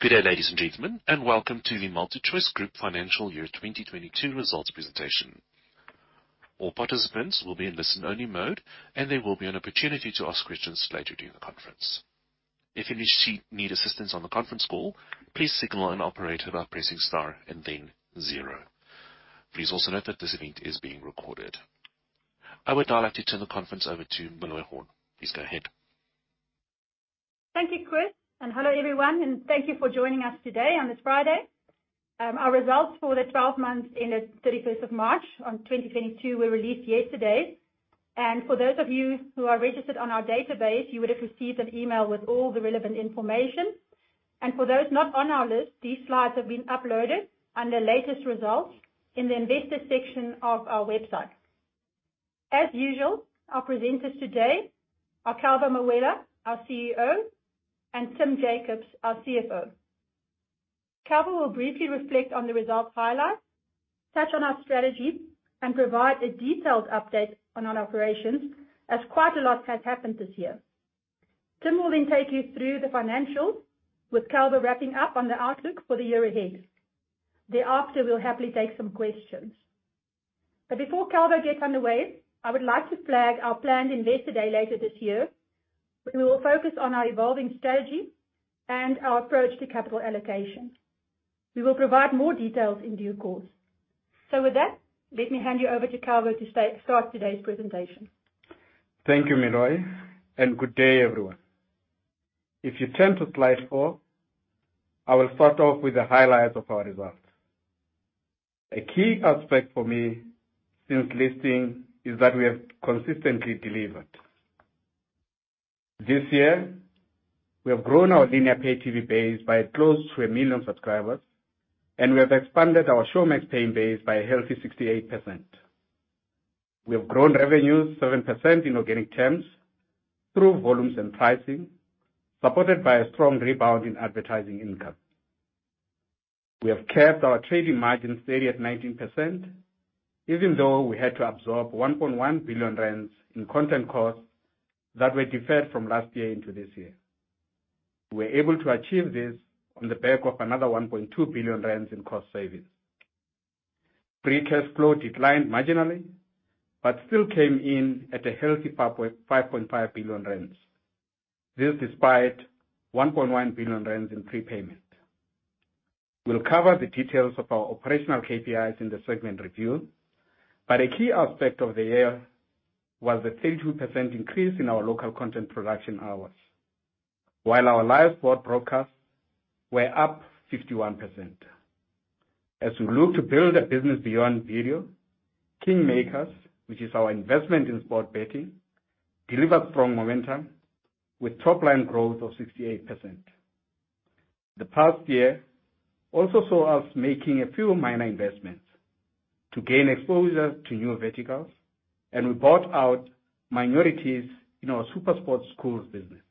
Good day, ladies and gentlemen, and welcome to the MultiChoice Group financial year 2022 results presentation. All participants will be in listen-only mode, and there will be an opportunity to ask questions later during the conference. If you need assistance on the conference call, please signal an operator by pressing star and then zero. Please also note that this event is being recorded. I would now like to turn the conference over to Meloy Horn. Please go ahead. Thank you, Chris, and hello everyone, and thank you for joining us today on this Friday. Our results for the 12 months ended 31st of March 2022 were released yesterday. For those of you who are registered on our database, you would have received an email with all the relevant information. For those not on our list, these slides have been uploaded under Latest Results in the Investor section of our website. As usual, our presenters today are Calvo Mawela, our CEO, and Tim Jacobs, our CFO. Calvo will briefly reflect on the results highlights, touch on our strategy, and provide a detailed update on our operations, as quite a lot has happened this year. Tim will then take you through the financials, with Calvo wrapping up on the outlook for the year ahead. Thereafter, we'll happily take some questions. Before Calvo gets underway, I would like to flag our planned Investor Day later this year, where we will focus on our evolving strategy and our approach to capital allocation. We will provide more details in due course. With that, let me hand you over to Calvo to start today's presentation. Thank you, Meloy, and good day, everyone. If you turn to slide four, I will start off with the highlights of our results. A key aspect for me since listing is that we have consistently delivered. This year, we have grown our linear pay-TV base by close to a million subscribers, and we have expanded our Showmax paying base by a healthy 68%. We have grown revenues 7% in organic terms through volumes and pricing, supported by a strong rebound in advertising income. We have kept our trading margins steady at 19%, even though we had to absorb 1.1 billion rand in content costs that were deferred from last year into this year. We were able to achieve this on the back of another 1.2 billion rand in cost savings. Free cash flow declined marginally, but still came in at a healthy 5.5 billion rand. This is despite 1.1 billion rand in prepayment. We'll cover the details of our operational KPIs in the segment review, but a key aspect of the year was the 32% increase in our local content production hours, while our live sport broadcasts were up 51%. As we look to build a business beyond video, Kingmakers, which is our investment in sport betting, delivered strong momentum with top-line growth of 68%. The past year also saw us making a few minor investments to gain exposure to new verticals, and we bought out minorities in our SuperSport Schools business.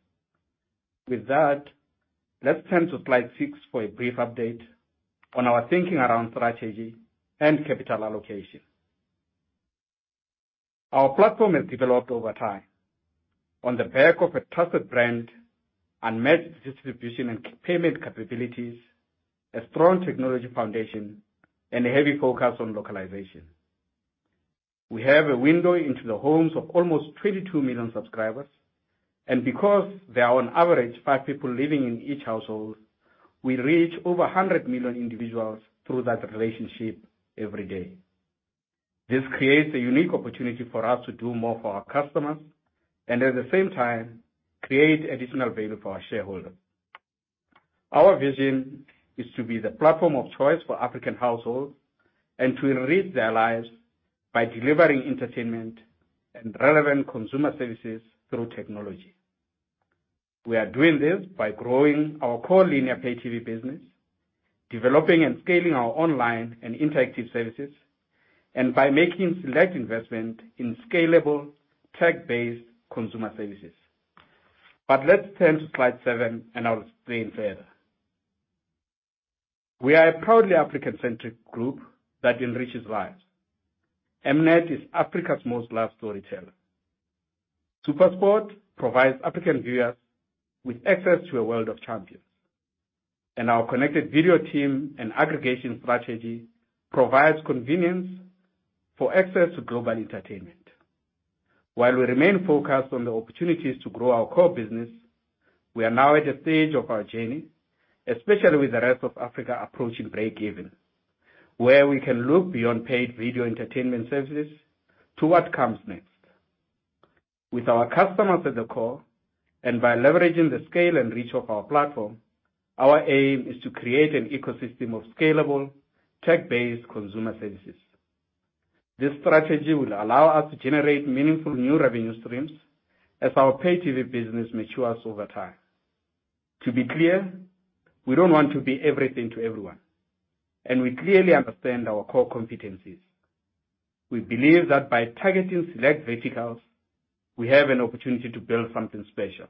With that, let's turn to slide six for a brief update on our thinking around strategy and capital allocation. Our platform has developed over time on the back of a trusted brand, unmet distribution and e-payment capabilities, a strong technology foundation, and a heavy focus on localization. We have a window into the homes of almost 22 million subscribers, and because there are on average five people living in each household, we reach over 100 million individuals through that relationship every day. This creates a unique opportunity for us to do more for our customers and, at the same time, create additional value for our shareholders. Our vision is to be the platform of choice for African households and to enrich their lives by delivering entertainment and relevant consumer services through technology. We are doing this by growing our core linear pay-TV business, developing and scaling our online and interactive services, and by making select investment in scalable tech-based consumer services. Let's turn to slide seven, and I'll explain further. We are a proudly African-centric group that enriches lives. M-Net is Africa's most loved storyteller. SuperSport provides African viewers with access to a world of champions. Our connected video team and aggregation strategy provides convenience for access to global entertainment. While we remain focused on the opportunities to grow our core business, we are now at a stage of our journey, especially with the rest of Africa approaching breakeven, where we can look beyond paid video entertainment services to what comes next. With our customers at the core and by leveraging the scale and reach of our platform, our aim is to create an ecosystem of scalable tech-based consumer services. This strategy will allow us to generate meaningful new revenue streams as our pay-TV business matures over time. To be clear, we don't want to be everything to everyone, and we clearly understand our core competencies. We believe that by targeting select verticals, we have an opportunity to build something special.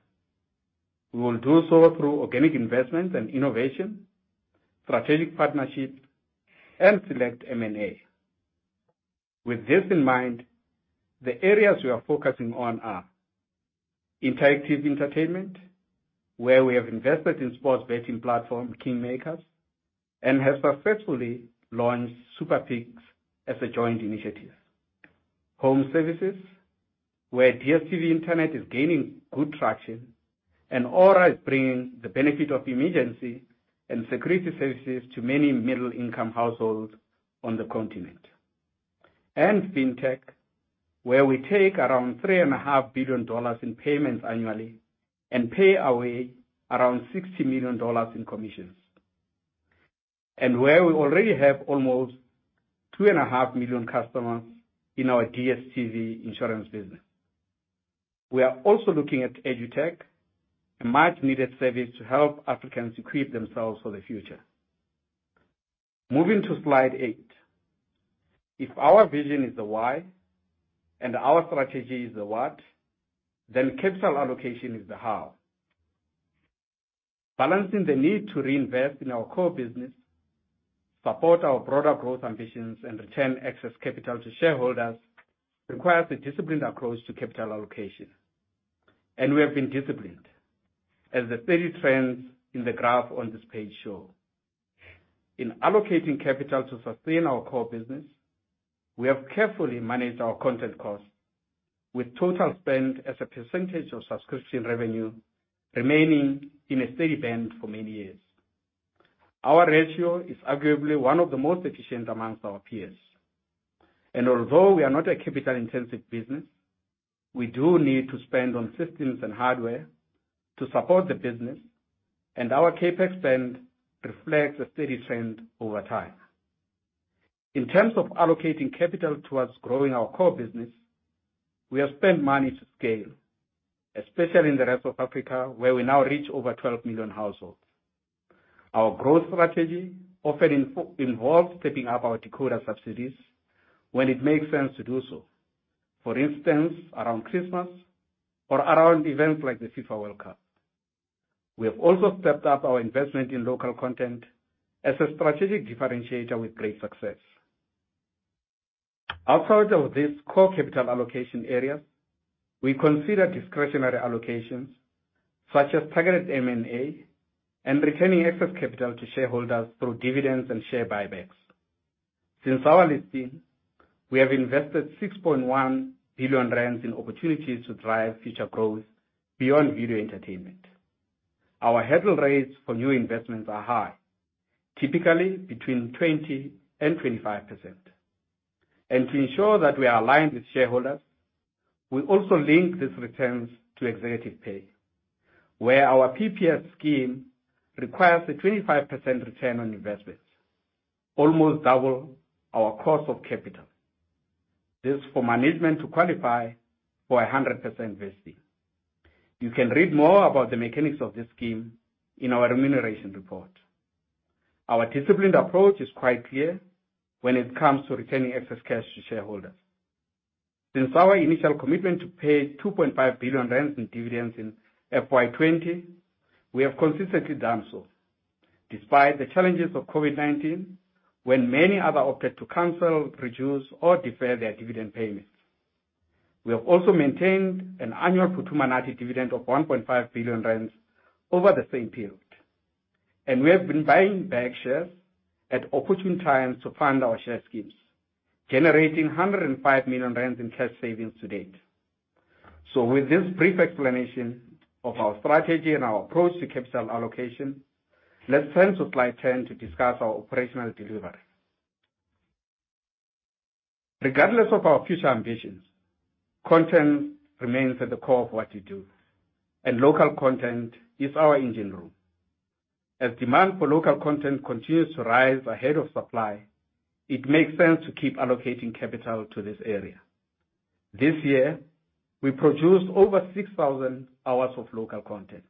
We will do so through organic investments and innovation, strategic partnerships, and select M&A. With this in mind, the areas we are focusing on are interactive entertainment, where we have invested in sports betting platform Kingmakers, and have successfully launched SuperPicks as a joint initiative. Home services, where DStv Internet is gaining good traction, and AURA is bringing the benefit of emergency and security services to many middle-income households on the continent. FinTech, where we take around $3.5 billion in payments annually, and pay away around $60 million in commissions, and where we already have almost 2.5 million customers in our DStv insurance business. We are also looking at EdTech, a much-needed service to help Africans equip themselves for the future. Moving to slide eight. If our vision is the why, and our strategy is the what, then capital allocation is the how. Balancing the need to reinvest in our core business, support our broader growth ambitions, and return excess capital to shareholders, requires a disciplined approach to capital allocation. We have been disciplined, as the steady trends in the graph on this page show. In allocating capital to sustain our core business, we have carefully managed our content costs, with total spend as a percentage of subscription revenue remaining in a steady band for many years. Our ratio is arguably one of the most efficient among our peers. Although we are not a capital-intensive business, we do need to spend on systems and hardware to support the business, and our CapEx spend reflects a steady trend over time. In terms of allocating capital towards growing our core business, we have spent money to scale, especially in the rest of Africa, where we now reach over 12 million households. Our growth strategy often involves stepping up our decoder subsidies when it makes sense to do so, for instance, around Christmas or around events like the FIFA World Cup. We have also stepped up our investment in local content as a strategic differentiator with great success. Outside of these core capital allocation areas, we consider discretionary allocations, such as targeted M&A and returning excess capital to shareholders through dividends and share buybacks. Since our listing, we have invested 6.1 billion rand in opportunities to drive future growth beyond video entertainment. Our hurdle rates for new investments are high, typically between 20%-25%. To ensure that we are aligned with shareholders, we also link these returns to executive pay, where our PPS scheme requires a 25% return on investments, almost double our cost of capital. This is for management to qualify for 100% vesting. You can read more about the mechanics of this scheme in our remuneration report. Our disciplined approach is quite clear when it comes to returning excess cash to shareholders. Since our initial commitment to pay 2.5 billion rand in dividends in FY 2020, we have consistently done so, despite the challenges of COVID-19, when many others opted to cancel, reduce, or defer their dividend payments. We have also maintained an annual Phuthuma Nathi dividend of 1.5 billion rand over the same period. We have been buying back shares at opportune times to fund our share schemes, generating 105 million rand in cash savings to-date. With this brief explanation of our strategy and our approach to capital allocation, let's turn to slide 10 to discuss our operational delivery. Regardless of our future ambitions, content remains at the core of what we do, and local content is our engine room. As demand for local content continues to rise ahead of supply, it makes sense to keep allocating capital to this area. This year, we produced over 6,000 hours of local content,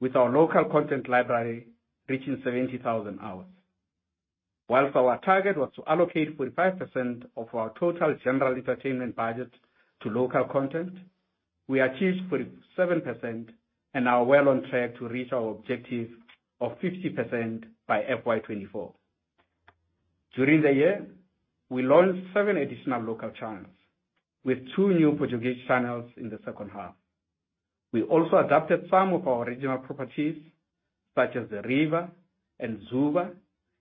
with our local content library reaching 70,000 hours. While our target was to allocate 45% of our total general entertainment budget to local content, we achieved 47% and are well on track to reach our objective of 50% by FY 2024. During the year, we launched seven additional local channels, with two new Portuguese channels in the second half. We also adapted some of our original properties, such as The River and Zuba,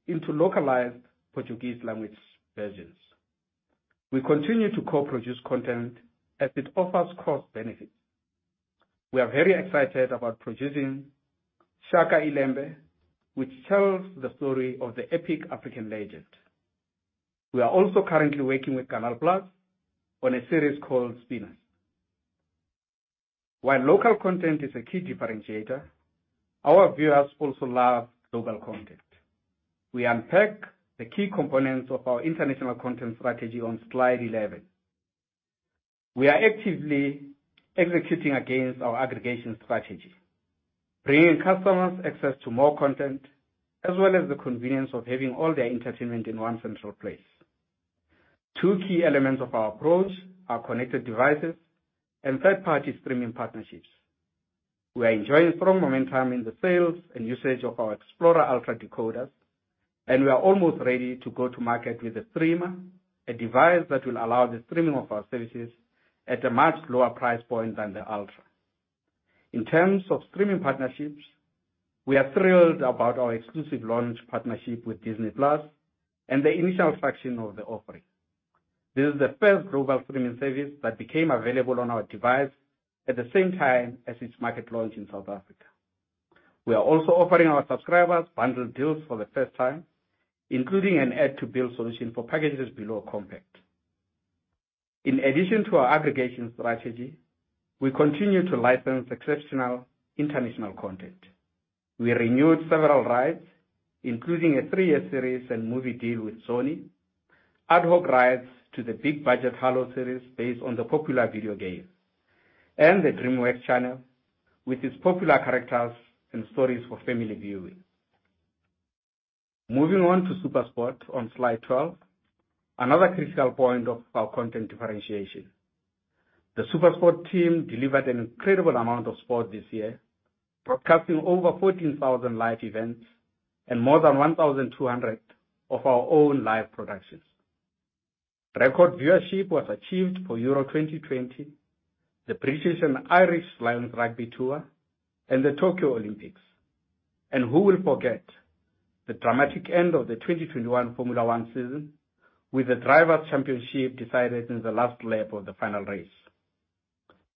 into localized Portuguese language versions. We continue to co-produce content as it offers cost benefits. We are very excited about producing Shaka iLembe, which tells the story of the epic African legend. We are also currently working with Canal+ on a series called Spinners. While local content is a key differentiator, our viewers also love global content. We unpack the key components of our international content strategy on slide 11. We are actively executing against our aggregation strategy, bringing customers access to more content, as well as the convenience of having all their entertainment in one central place. Two key elements of our approach are connected devices and third-party streaming partnerships. We are enjoying strong momentum in the sales and usage of our Explora Ultra decoders, and we are almost ready to go to market with the streamer, a device that will allow the streaming of our services at a much lower price point than the Ultra. In terms of streaming partnerships, we are thrilled about our exclusive launch partnership with Disney+ and the initial phase of the offering. This is the first global streaming service that became available on our device at the same time as its market launch in South Africa. We are also offering our subscribers bundled deals for the first time, including an add-to-bill solution for packages below Compact. In addition to our aggregation strategy, we continue to license exceptional international content. We renewed several rights, including a three-year series and movie deal with Sony, ad hoc rights to the big budget Halo series based on the popular video game, and the DreamWorks channel with its popular characters and stories for family viewing. Moving on to SuperSport on slide 12, another critical point of our content differentiation. The SuperSport team delivered an incredible amount of sport this year, broadcasting over 14,000 live events and more than 1,200 of our own live productions. Record viewership was achieved for Euro 2020, the British & Irish Lions rugby tour, and the Tokyo 2020 Olympics. Who will forget the dramatic end of the 2021 Formula One season with the Drivers' Championship decided in the last lap of the final race.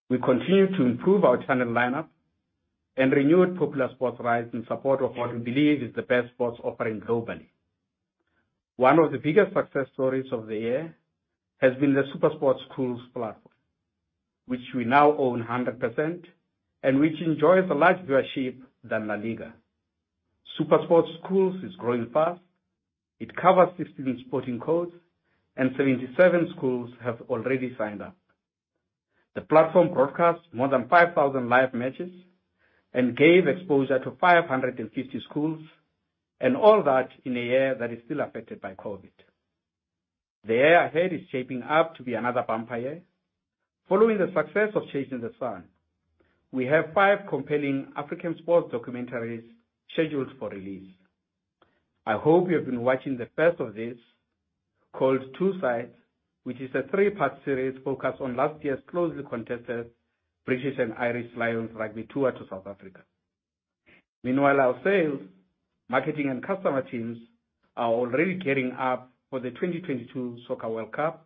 We continue to improve our channel lineup and renewed popular sports rights in support of what we believe is the best sports offering globally. One of the biggest success stories of the year has been the SuperSport Schools platform, which we now own 100% and which enjoys a larger viewership than LaLiga. SuperSport Schools is growing fast. It covers 16 sporting codes, and 77 schools have already signed up. The platform broadcast more than 5,000 live matches and gave exposure to 550 schools, and all that in a year that is still affected by COVID. The year ahead is shaping up to be another bumper year. Following the success of Chasing the Sun, we have five compelling African sports documentaries scheduled for release. I hope you have been watching the first of these, called Two Sides, which is a three-part series focused on last year's closely contested British & Irish Lions rugby tour to South Africa. Meanwhile, our sales, marketing, and customer teams are already gearing up for the 2022 Soccer World Cup,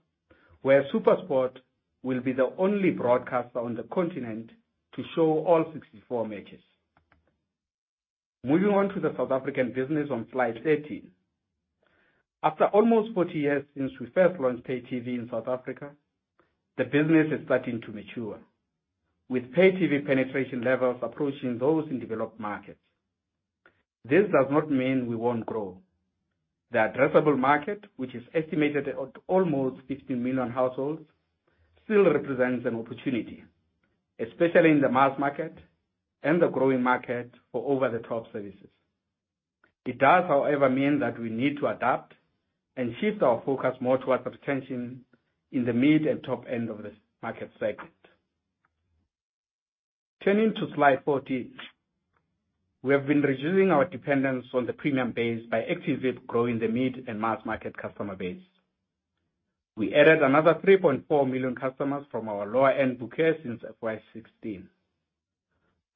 where SuperSport will be the only broadcaster on the continent to show all 64 matches. Moving on to the South African business on slide 13. After almost 40 years since we first launched pay TV in South Africa, the business is starting to mature, with pay TV penetration levels approaching those in developed markets. This does not mean we won't grow. The addressable market, which is estimated at almost 15 million households, still represents an opportunity, especially in the mass market and the growing market for over-the-top services. It does, however, mean that we need to adapt and shift our focus more towards retention in the mid and top end of this market segment. Turning to slide 14, we have been reducing our dependence on the premium base by actively growing the mid and mass market customer base. We added another 3.4 million customers from our lower-end bouquet since FY 2016.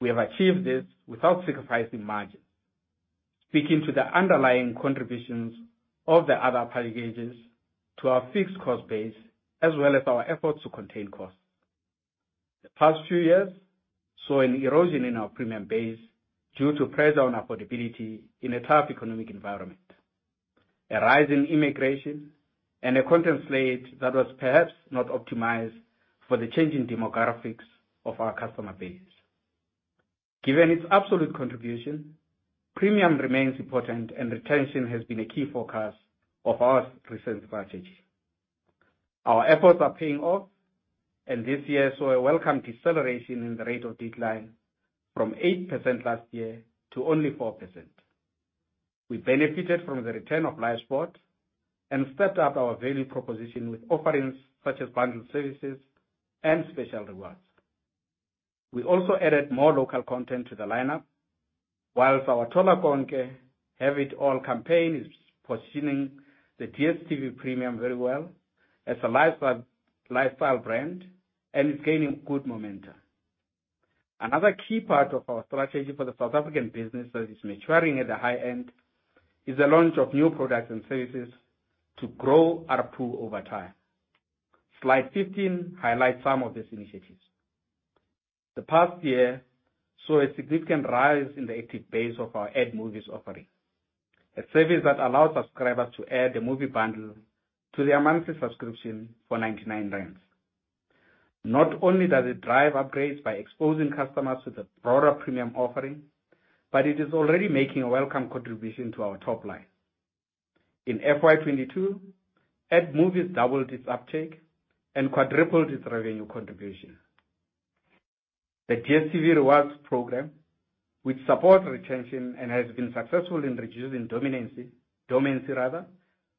We have achieved this without sacrificing margins, speaking to the underlying contributions of the other pay bouquets to our fixed cost base as well as our efforts to contain costs. The past few years saw an erosion in our premium base due to pressure on affordability in a tough economic environment, a rise in emigration, and a content slate that was perhaps not optimized for the changing demographics of our customer base. Given its absolute contribution, premium remains important, and retention has been a key focus of our recent strategy. Our efforts are paying off, and this year saw a welcome deceleration in the rate of decline from 8% last year to only 4%. We benefited from the return of live sport and stepped up our value proposition with offerings such as bundled services and special rewards. We also added more local content to the lineup, while our Thola Konke Have It All campaign is positioning the DStv Premium very well as a lifestyle brand and is gaining good momentum. Another key part of our strategy for the South African business that is maturing at the high end is the launch of new products and services to grow our pool over time. Slide 15 highlights some of these initiatives. The past year saw a significant rise in the active base of our Add Movies offering, a service that allows subscribers to add a movie bundle to their monthly subscription for 99 rand. Not only does it drive upgrades by exposing customers to the broader premium offering, but it is already making a welcome contribution to our top line. In FY 2022, Add Movies doubled its uptake and quadrupled its revenue contribution. The DStv Rewards program, which supports retention and has been successful in reducing dormancy,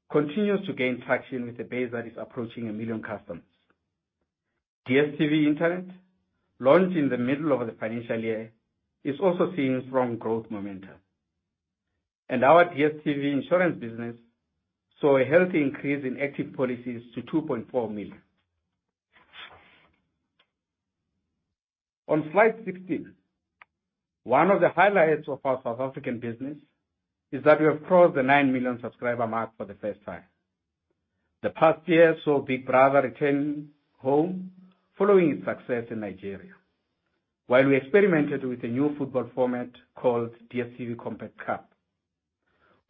continues to gain traction with the base that is approaching a million customers. DStv Internet, launched in the middle of the financial year, is also seeing strong growth momentum. Our DStv insurance business saw a healthy increase in active policies to 2.4 million. On slide 16, one of the highlights of our South African business is that we have crossed the 9 million subscriber mark for the first time. The past year saw Big Brother return home following its success in Nigeria. While we experimented with a new football format called DStv Compact Cup,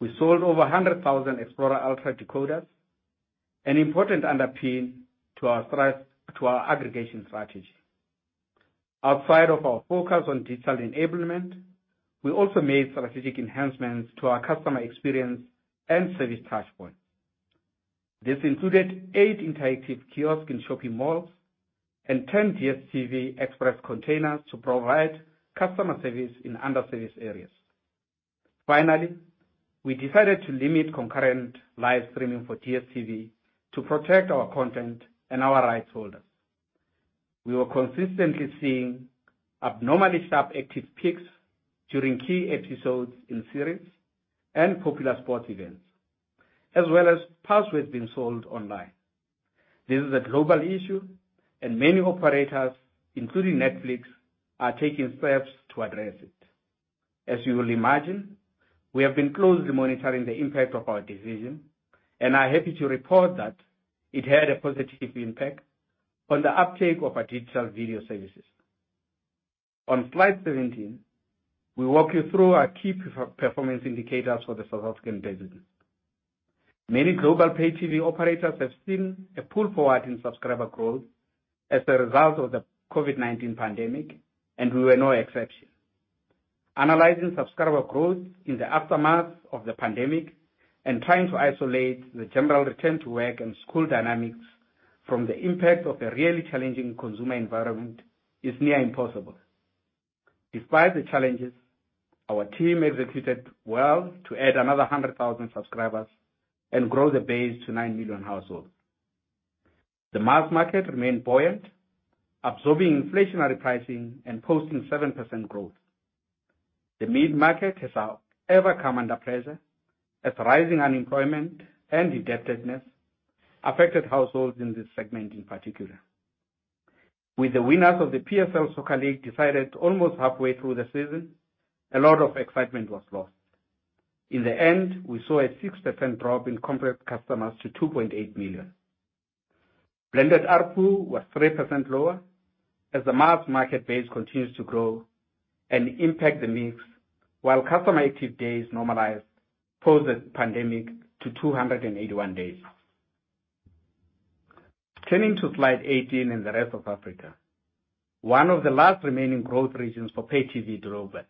we sold over 100,000 Explora Ultra decoders, an important underpin to our aggregation strategy. Outside of our focus on digital enablement, we also made strategic enhancements to our customer experience and service touchpoints. This included eight interactive kiosks in shopping malls and 10 DStv express containers to provide customer service in under-serviced areas. Finally, we decided to limit concurrent live streaming for DStv to protect our content and our rights holders. We were consistently seeing abnormally sharp active peaks during key episodes in series and popular sports events, as well as passways being sold online. This is a global issue, and many operators, including Netflix, are taking steps to address it. As you will imagine, we have been closely monitoring the impact of our decision, and are happy to report that it had a positive impact on the uptake of our digital video services. On slide 17, we walk you through our key performance indicators for the South African business. Many global pay-TV operators have seen a pull forward in subscriber growth as a result of the COVID-19 pandemic, and we were no exception. Analyzing subscriber growth in the aftermath of the pandemic and trying to isolate the general return to work and school dynamics from the impact of a really challenging consumer environment is near impossible. Despite the challenges, our team executed well to add another 100,000 subscribers and grow the base to 9 million households. The mass market remained buoyant, absorbing inflationary pricing and posting 7% growth. The mid-market has however come under pressure as rising unemployment and indebtedness affected households in this segment in particular. With the winners of the PSL Soccer League decided almost halfway through the season, a lot of excitement was lost. In the end, we saw a 6% drop in contract customers to 2.8 million. Blended ARPU was 3% lower as the mass market base continues to grow and impact the mix, while customer active days normalized post the pandemic to 281 days. Turning to slide 18 in the rest of Africa, one of the last remaining growth regions for pay TV globally.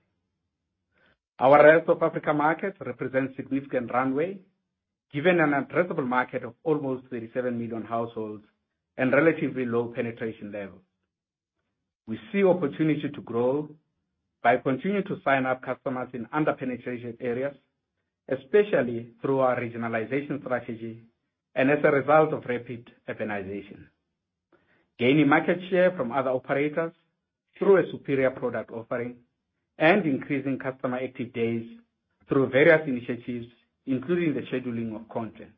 Our rest of Africa markets represent significant runway, given an addressable market of almost 37 million households and relatively low penetration levels. We see opportunity to grow by continuing to sign up customers in under-penetrated areas, especially through our regionalization strategy and as a result of rapid urbanization. Gaining market share from other operators through a superior product offering and increasing customer active days through various initiatives, including the scheduling of content.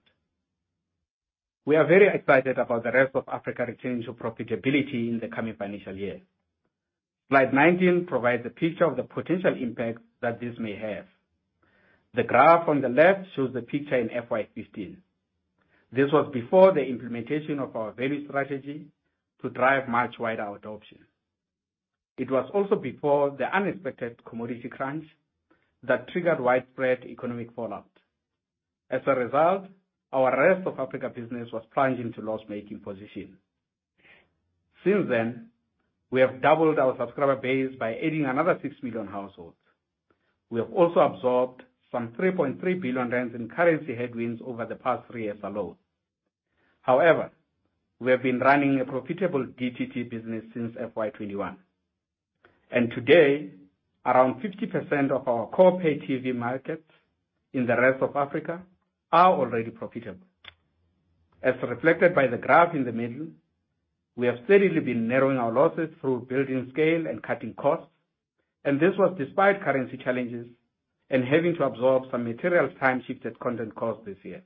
We are very excited about the rest of Africa returning to profitability in the coming financial year. Slide 19 provides a picture of the potential impact that this may have. The graph on the left shows the picture in FY 2015. This was before the implementation of our value strategy to drive much wider adoption. It was also before the unexpected commodity crunch that triggered widespread economic fallout. As a result, our rest of Africa business was plunged into loss-making position. Since then, we have doubled our subscriber base by adding another 6 million households. We have also absorbed some 3.3 billion rand in currency headwinds over the past three years alone. However, we have been running a profitable DTT business since FY 2021, and today, around 50% of our core pay-TV markets in the rest of Africa are already profitable. As reflected by the graph in the middle, we have steadily been narrowing our losses through building scale and cutting costs, and this was despite currency challenges and having to absorb some material time-shifted content costs this year.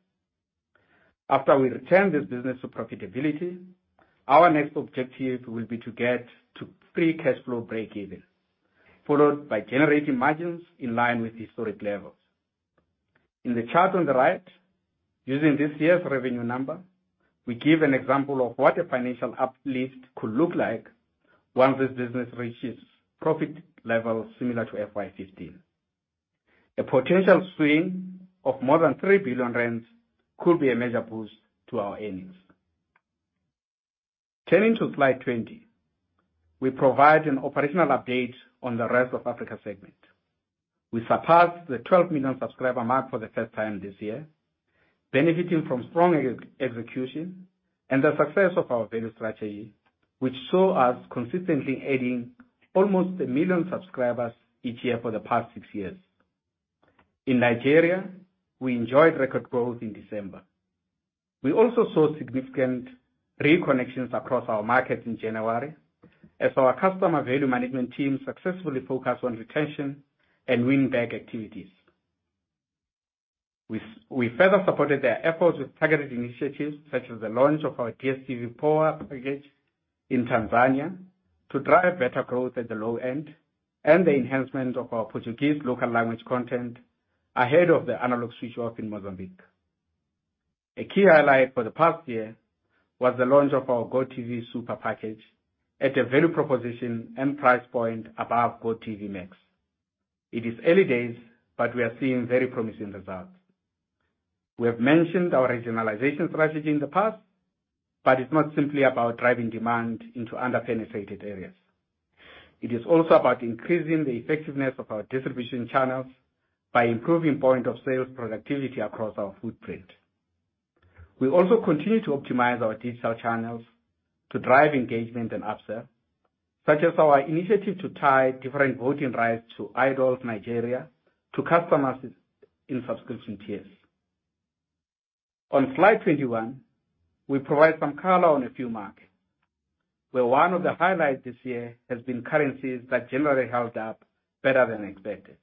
After we return this business to profitability, our next objective will be to get to free cash flow breakeven, followed by generating margins in line with historic levels. In the chart on the right, using this year's revenue number, we give an example of what a financial uplift could look like once this business reaches profit levels similar to FY 15. A potential swing of more than 3 billion rand could be a major boost to our earnings. Turning to slide 20, we provide an operational update on the rest of Africa segment. We surpassed the 12 million subscriber mark for the first time this year. Benefiting from strong execution and the success of our value strategy, which saw us consistently adding almost a million subscribers each year for the past six years. In Nigeria, we enjoyed record growth in December. We also saw significant reconnections across our markets in January as our customer value management team successfully focused on retention and win-back activities. We further supported their efforts with targeted initiatives such as the launch of our DStv POA in Tanzania to drive better growth at the low end, and the enhancement of our Portuguese local language content ahead of the analog switch off in Mozambique. A key highlight for the past year was the launch of our GOtv Supa at a value proposition and price point above GOtv Max. It is early days, but we are seeing very promising results. We have mentioned our regionalization strategy in the past, but it's not simply about driving demand into under-penetrated areas. It is also about increasing the effectiveness of our distribution channels by improving point of sales productivity across our footprint. We also continue to optimize our digital channels to drive engagement and upsell, such as our initiative to tie different voting rights to Nigerian Idol to customers in subscription tiers. On slide 21, we provide some color on a few markets, where one of the highlights this year has been currencies that generally held up better than expected.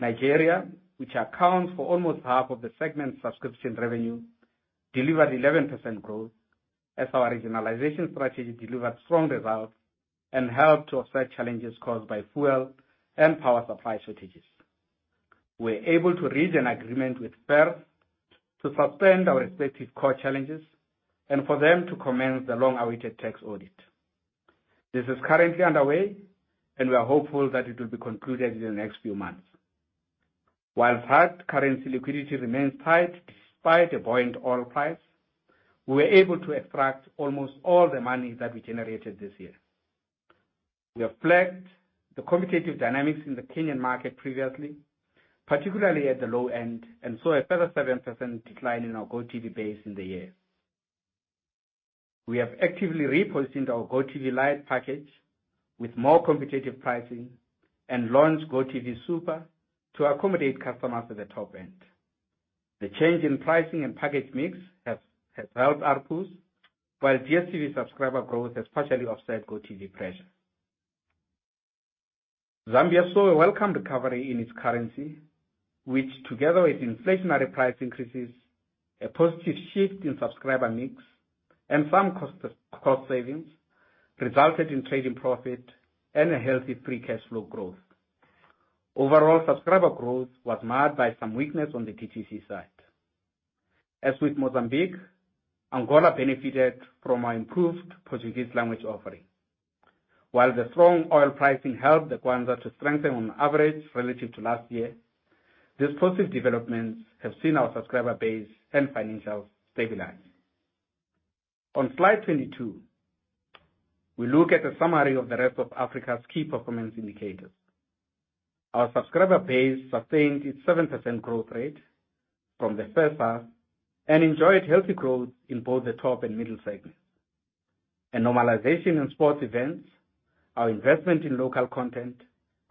Nigeria, which accounts for almost half of the segment subscription revenue, delivered 11% growth as our regionalization strategy delivered strong results and helped to offset challenges caused by fuel and power supply shortages. We're able to reach an agreement with FIRS to suspend our respective core challenges and for them to commence the long-awaited tax audit. This is currently underway, and we are hopeful that it will be concluded in the next few months. While hard currency liquidity remains tight despite a buoyant oil price, we were able to extract almost all the money that we generated this year. We have flagged the competitive dynamics in the Kenyan market previously, particularly at the low end, and saw a further 7% decline in our GOtv base in the year. We have actively repositioned our GOtv Lite package with more competitive pricing and launched GOtv Supa to accommodate customers at the top end. The change in pricing and package mix has helped ARPU, while DStv subscriber growth has partially offset GOtv pressure. Zambia saw a welcome recovery in its currency, which together with inflationary price increases, a positive shift in subscriber mix, and some cost savings, resulted in trading profit and a healthy free cash flow growth. Overall subscriber growth was marred by some weakness on the DTT side. As with Mozambique, Angola benefited from our improved Portuguese language offering. While the strong oil pricing helped the kwanza to strengthen on average relative to last year, these positive developments have seen our subscriber base and financials stabilize. On slide 22, we look at a summary of the rest of Africa's key performance indicators. Our subscriber base sustained its 7% growth rate from the first half and enjoyed healthy growth in both the top and middle segments. A normalization in sports events, our investment in local content,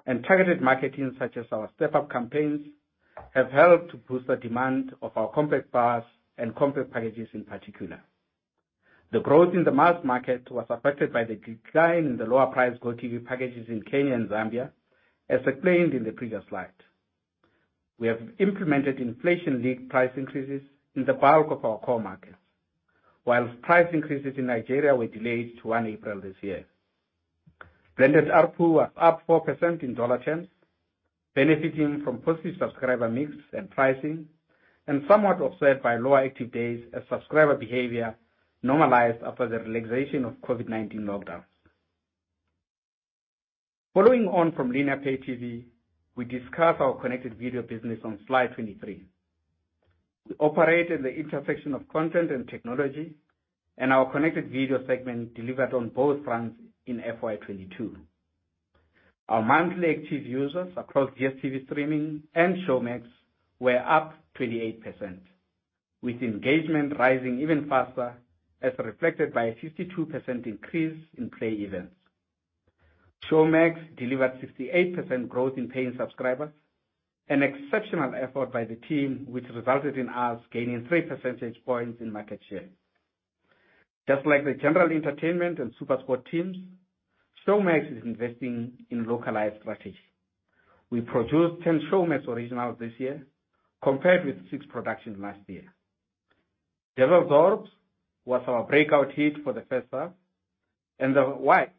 and targeted marketing such as our step-up campaigns, have helped to boost the demand of our Compact Plus and Compact packages in particular. The growth in the mass market was affected by the decline in the lower-priced GOtv packages in Kenya and Zambia, as explained in the previous slide. We have implemented inflation-linked price increases in the bulk of our core markets. While price increases in Nigeria were delayed to 1 April this year. Branded ARPU was up 4% in dollar terms, benefiting from positive subscriber mix and pricing, and somewhat offset by lower active days as subscriber behavior normalized after the relaxation of COVID-19 lockdowns. Following on from linear pay-TV, we discuss our connected video business on slide 23. We operate at the intersection of content and technology, and our connected video segment delivered on both fronts in FY 2022. Our monthly active users across DStv Stream and Showmax were up 28%, with engagement rising even faster as reflected by a 52% increase in play events. Showmax delivered 68% growth in paying subscribers, an exceptional effort by the team, which resulted in us gaining three percentage points in market share. Just like the general entertainment and SuperSport teams, Showmax is investing in localized strategy. We produced 10 Showmax originals this year, compared with six productions last year. Devilsdorp was our breakout hit for the first half, and The Wife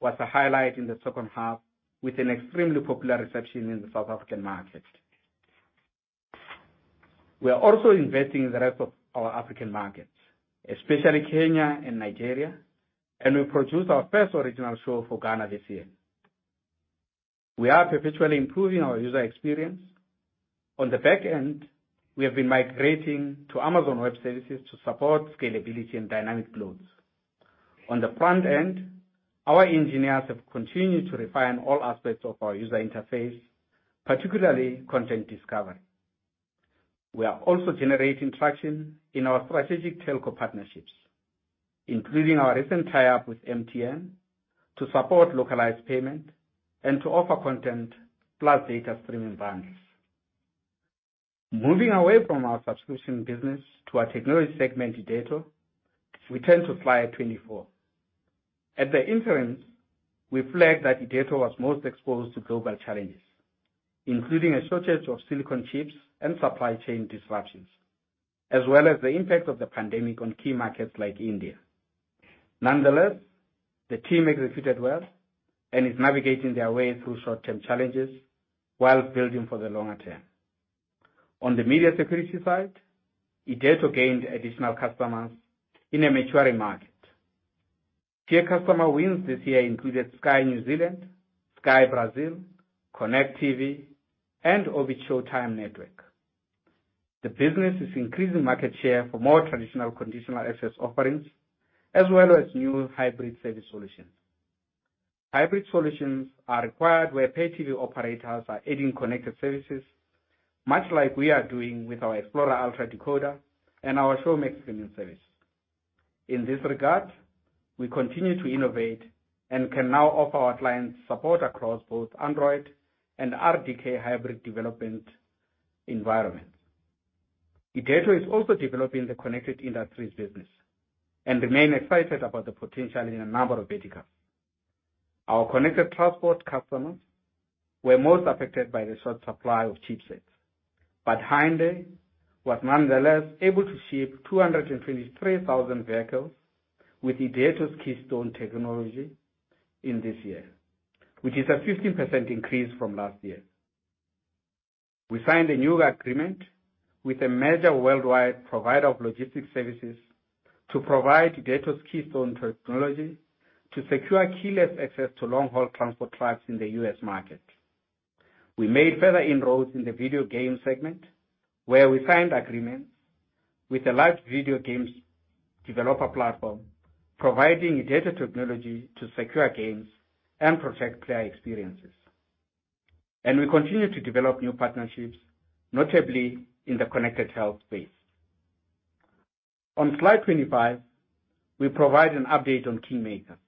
was a highlight in the second half with an extremely popular reception in the South African market. We are also investing in the rest of our African markets, especially Kenya and Nigeria, and we produced our first original show for Ghana this year. We are perpetually improving our user experience. On the back end, we have been migrating to Amazon Web Services to support scalability and dynamic loads. On the front end, our engineers have continued to refine all aspects of our user interface, particularly content discovery. We are also generating traction in our strategic telco partnerships, including our recent tie-up with MTN to support localized payment and to offer content plus data streaming bundles. Moving away from our subscription business to our technology segment, Irdeto, we turn to slide 24. At the interim, we flagged that Irdeto was most exposed to global challenges, including a shortage of silicon chips and supply chain disruptions, as well as the impact of the pandemic on key markets like India. Nonetheless, the team executed well and is navigating their way through short-term challenges while building for the longer term. On the media security side, Irdeto gained additional customers in a maturing market. Key customer wins this year included Sky New Zealand, SKY Brasil, Connect.TV, and Orbit Showtime Network. The business is increasing market share for more traditional conditional access offerings, as well as new hybrid service solutions. Hybrid solutions are required where pay TV operators are adding connected services, much like we are doing with our Explora Ultra decoder and our Showmax Premium service. In this regard, we continue to innovate and can now offer our clients support across both Android and RDK hybrid development environments. Irdeto is also developing the connected industries business and remain excited about the potential in a number of verticals. Our connected transport customers were most affected by the short supply of chipsets, but Hyundai was nonetheless able to ship 223,000 vehicles with Irdeto's Keystone technology in this year, which is a 15% increase from last year. We signed a new agreement with a major worldwide provider of logistics services to provide Irdeto's Keystone technology to secure keyless access to long-haul transport trucks in the U.S. market. We made further inroads in the video game segment, where we signed agreements with a large video games developer platform, providing data technology to secure games and protect player experiences. We continue to develop new partnerships, notably in the connected health space. On slide 25, we provide an update on Kingmakers,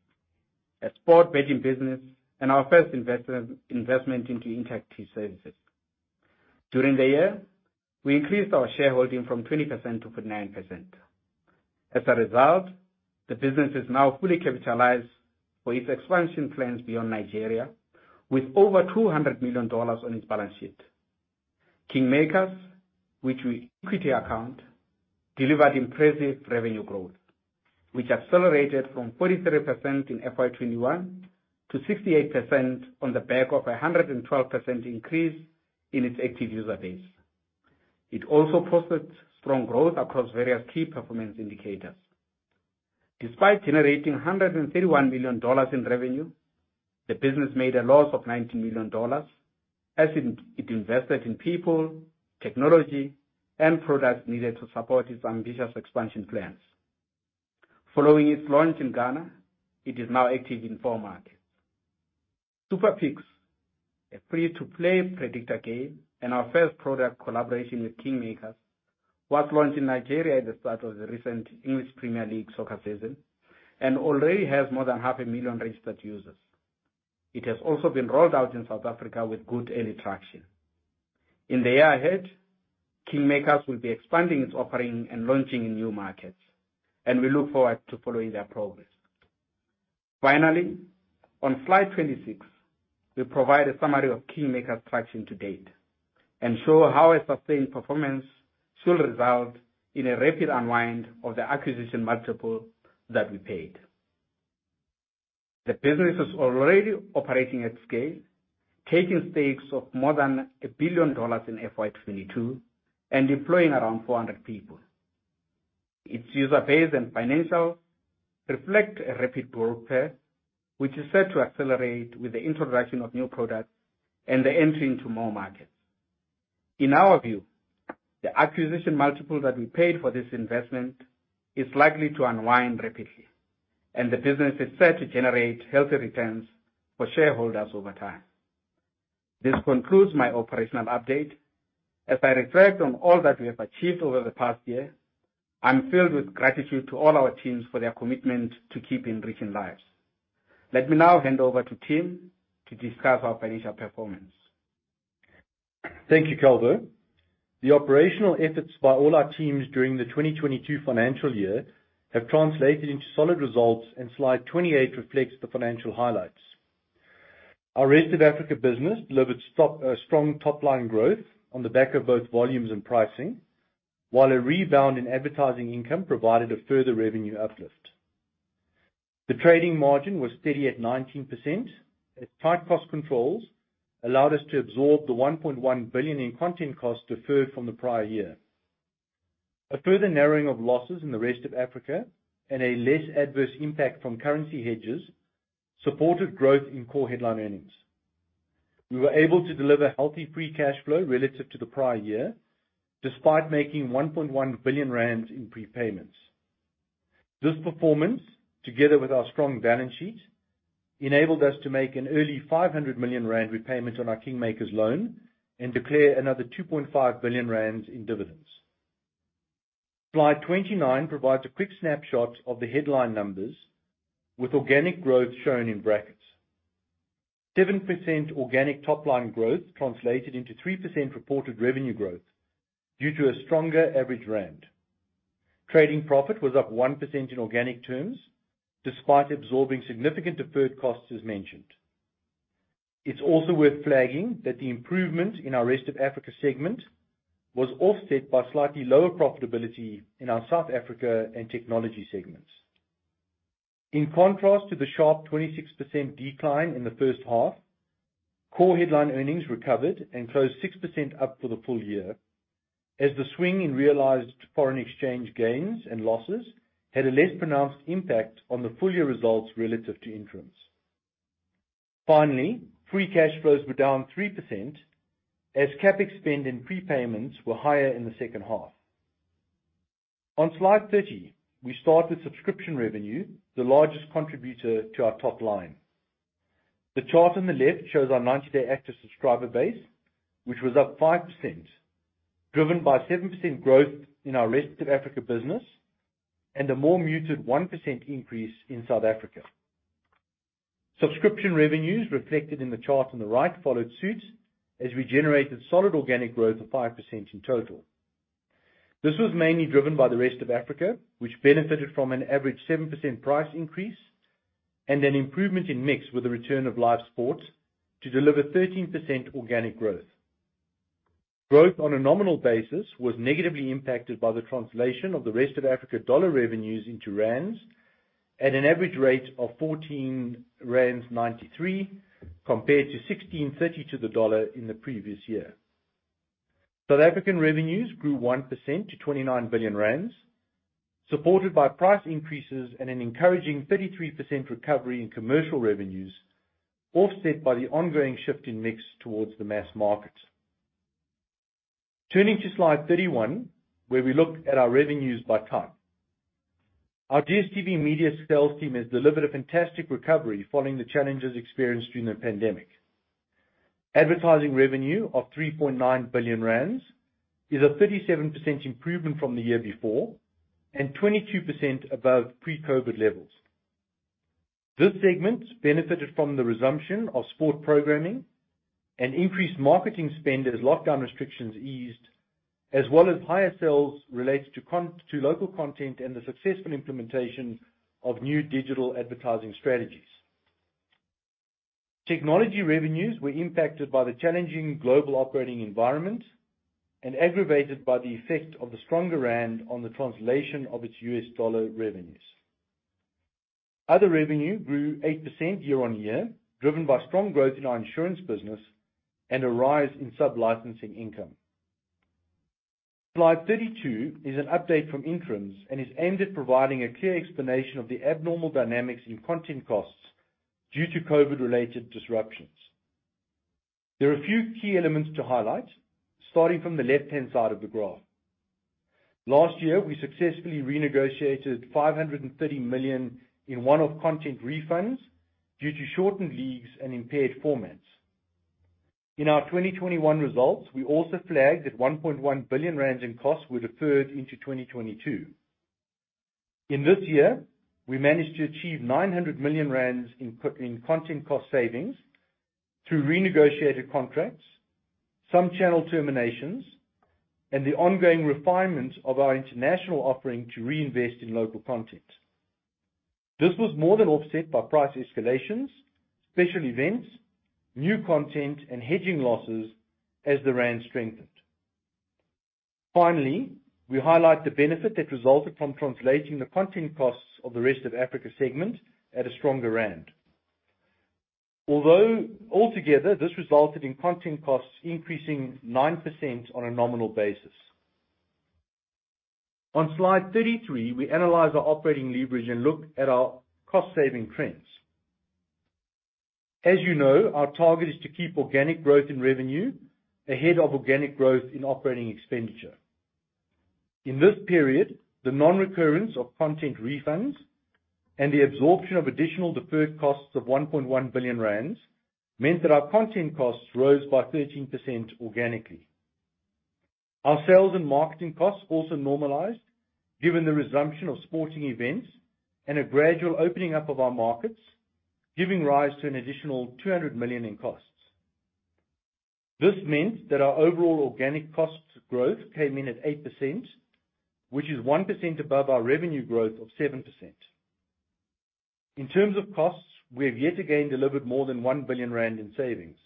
a sports betting business and our first investment into interactive services. During the year, we increased our shareholding from 20%-49%. As a result, the business is now fully capitalized for its expansion plans beyond Nigeria, with over $200 million on its balance sheet. Kingmakers, which we equity account, delivered impressive revenue growth, which accelerated from 43% in FY 2021 to 68% on the back of a 112% increase in its active user base. It also posted strong growth across various key performance indicators. Despite generating $131 million in revenue, the business made a loss of $90 million as it invested in people, technology, and products needed to support its ambitious expansion plans. Following its launch in Ghana, it is now active in four markets. SuperPicks, a free-to-play predictor game and our first product collaboration with Kingmakers, was launched in Nigeria at the start of the recent English Premier League soccer season and already has more than 500,000 registered users. It has also been rolled out in South Africa with good early traction. In the year ahead, Kingmakers will be expanding its offering and launching in new markets, and we look forward to following their progress. Finally, on slide 26, we provide a summary of Kingmakers' traction to-date and show how a sustained performance should result in a rapid unwind of the acquisition multiple that we paid. The business is already operating at scale, taking stakes of more than $1 billion in FY 2022 and employing around 400 people. Its user base and financials reflect a rapid growth path, which is set to accelerate with the introduction of new products and the entry into more markets. In our view, the acquisition multiple that we paid for this investment is likely to unwind rapidly, and the business is set to generate healthy returns for shareholders over time. This concludes my operational update. As I reflect on all that we have achieved over the past year, I'm filled with gratitude to all our teams for their commitment to keeping enriching lives. Let me now hand over to Tim to discuss our financial performance. Thank you, Calvo. The operational efforts by all our teams during the 2022 financial year have translated into solid results, and slide 28 reflects the financial highlights. Our Rest of Africa business delivered strong top-line growth on the back of both volumes and pricing, while a rebound in advertising income provided a further revenue uplift. The trading margin was steady at 19% as tight cost controls allowed us to absorb the 1.1 billion in content costs deferred from the prior year. A further narrowing of losses in the Rest of Africa and a less adverse impact from currency hedges supported growth in core headline earnings. We were able to deliver healthy free cash flow relative to the prior year, despite making 1.1 billion rand in prepayments. This performance, together with our strong balance sheet, enabled us to make an early 500 million rand repayments on our Kingmakers loan and declare another 2.5 billion rand in dividends. Slide 29 provides a quick snapshot of the headline numbers, with organic growth shown in brackets. 7% organic top-line growth translated into 3% reported revenue growth due to a stronger average rand. Trading profit was up 1% in organic terms, despite absorbing significant deferred costs as mentioned. It's also worth flagging that the improvement in our rest of Africa segment was offset by slightly lower profitability in our South Africa and technology segments. In contrast to the sharp 26% decline in the first half, core headline earnings recovered and closed 6% up for the full year as the swing in realized foreign exchange gains and losses had a less pronounced impact on the full year results relative to interim. Finaly, free cash flows were down 3% as CapEx spend and prepayments were higher in the second half. On slide 30, we start with subscription revenue, the largest contributor to our top line. The chart on the left shows our 90-day active subscriber base, which was up 5%, driven by 7% growth in our Rest of Africa business and a more muted 1% increase in South Africa. Subscription revenues reflected in the chart on the right followed suit as we generated solid organic growth of 5% in total. This was mainly driven by the rest of Africa, which benefited from an average 7% price increase and an improvement in mix with the return of live sports to deliver 13% organic growth. Growth on a nominal basis was negatively impacted by the translation of the rest of Africa dollar revenues into rands at an average rate of 14.93 rand compared to 16.30 to the dollar in the previous year. South African revenues grew 1% to 29 billion rand, supported by price increases and an encouraging 33% recovery in commercial revenues, offset by the ongoing shift in mix towards the mass markets. Turning to slide 31, where we look at our revenues by type. Our DStv Media Sales team has delivered a fantastic recovery following the challenges experienced during the pandemic. Advertising revenue of 3.9 billion rand is a 37% improvement from the year before and 22% above pre-COVID levels. This segment benefited from the resumption of sport programming and increased marketing spend as lockdown restrictions eased, as well as higher sales related to local content and the successful implementation of new digital advertising strategies. Technology revenues were impacted by the challenging global operating environment and aggravated by the effect of the stronger rand on the translation of its US dollar revenues. Other revenue grew 8% year-on-year, driven by strong growth in our insurance business and a rise in sublicensing income. Slide 32 is an update from interims and is aimed at providing a clear explanation of the abnormal dynamics in content costs due to COVID-related disruptions. There are a few key elements to highlight, starting from the left-hand side of the graph. Last year, we successfully renegotiated 530 million in one-off content refunds due to shortened leagues and impaired formats. In our 2021 results, we also flagged that 1.1 billion rand in costs were deferred into 2022. In this year, we managed to achieve 900 million rand in content cost savings through renegotiated contracts, some channel terminations, and the ongoing refinement of our international offering to reinvest in local content. This was more than offset by price escalations, special events, new content, and hedging losses as the rand strengthened. Finally, we highlight the benefit that resulted from translating the content costs of the rest of Africa segment at a stronger rand. Although altogether, this resulted in content costs increasing 9% on a nominal basis. On slide 33, we analyze our operating leverage and look at our cost-saving trends. As you know, our target is to keep organic growth in revenue ahead of organic growth in operating expenditure. In this period, the non-recurrence of content refunds and the absorption of additional deferred costs of 1.1 billion rand meant that our content costs rose by 13% organically. Our sales and marketing costs also normalized given the resumption of sporting events and a gradual opening up of our markets, giving rise to an additional 200 million in costs. This meant that our overall organic cost growth came in at 8%, which is 1% above our revenue growth of 7%. In terms of costs, we have yet again delivered more than 1 billion rand in savings,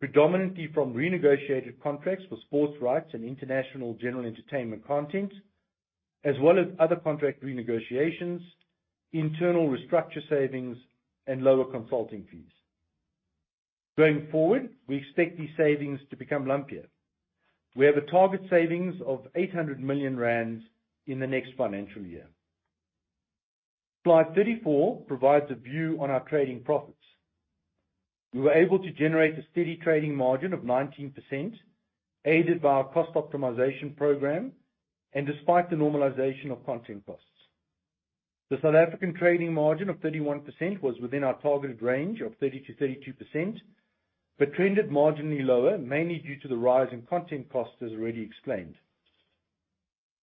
predominantly from renegotiated contracts for sports rights and international general entertainment content, as well as other contract renegotiations, internal restructure savings, and lower consulting fees. Going forward, we expect these savings to become lumpier. We have a target savings of 800 million rand in the next financial year. slide 34 provides a view on our trading profits. We were able to generate a steady trading margin of 19%, aided by our cost optimization program and despite the normalization of content costs. The South African trading margin of 31% was within our targeted range of 30%-32%, but trended marginally lower, mainly due to the rise in content costs, as already explained.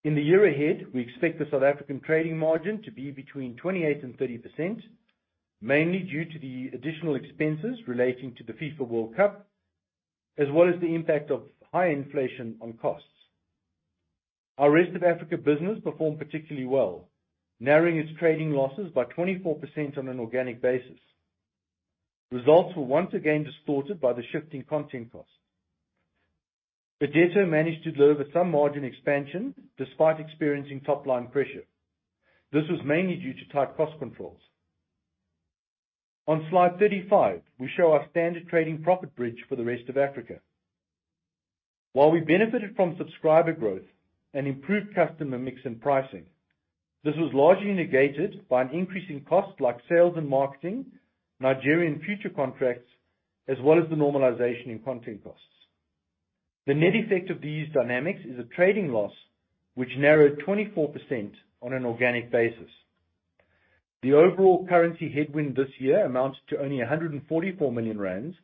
In the year ahead, we expect the South African trading margin to be between 28%-30%, mainly due to the additional expenses relating to the FIFA World Cup, as well as the impact of high inflation on costs. Our rest of Africa business performed particularly well, narrowing its trading losses by 24% on an organic basis. Results were once again distorted by the shifting content costs. DStv managed to deliver some margin expansion despite experiencing top-line pressure. This was mainly due to tight cost controls. On slide 35, we show our standard trading profit bridge for the rest of Africa. While we benefited from subscriber growth and improved customer mix and pricing, this was largely negated by an increase in costs like sales and marketing, Nigerian futures contracts, as well as the normalization in content costs. The net effect of these dynamics is a trading loss which narrowed 24% on an organic basis. The overall currency headwind this year amounts to only 144 million rand,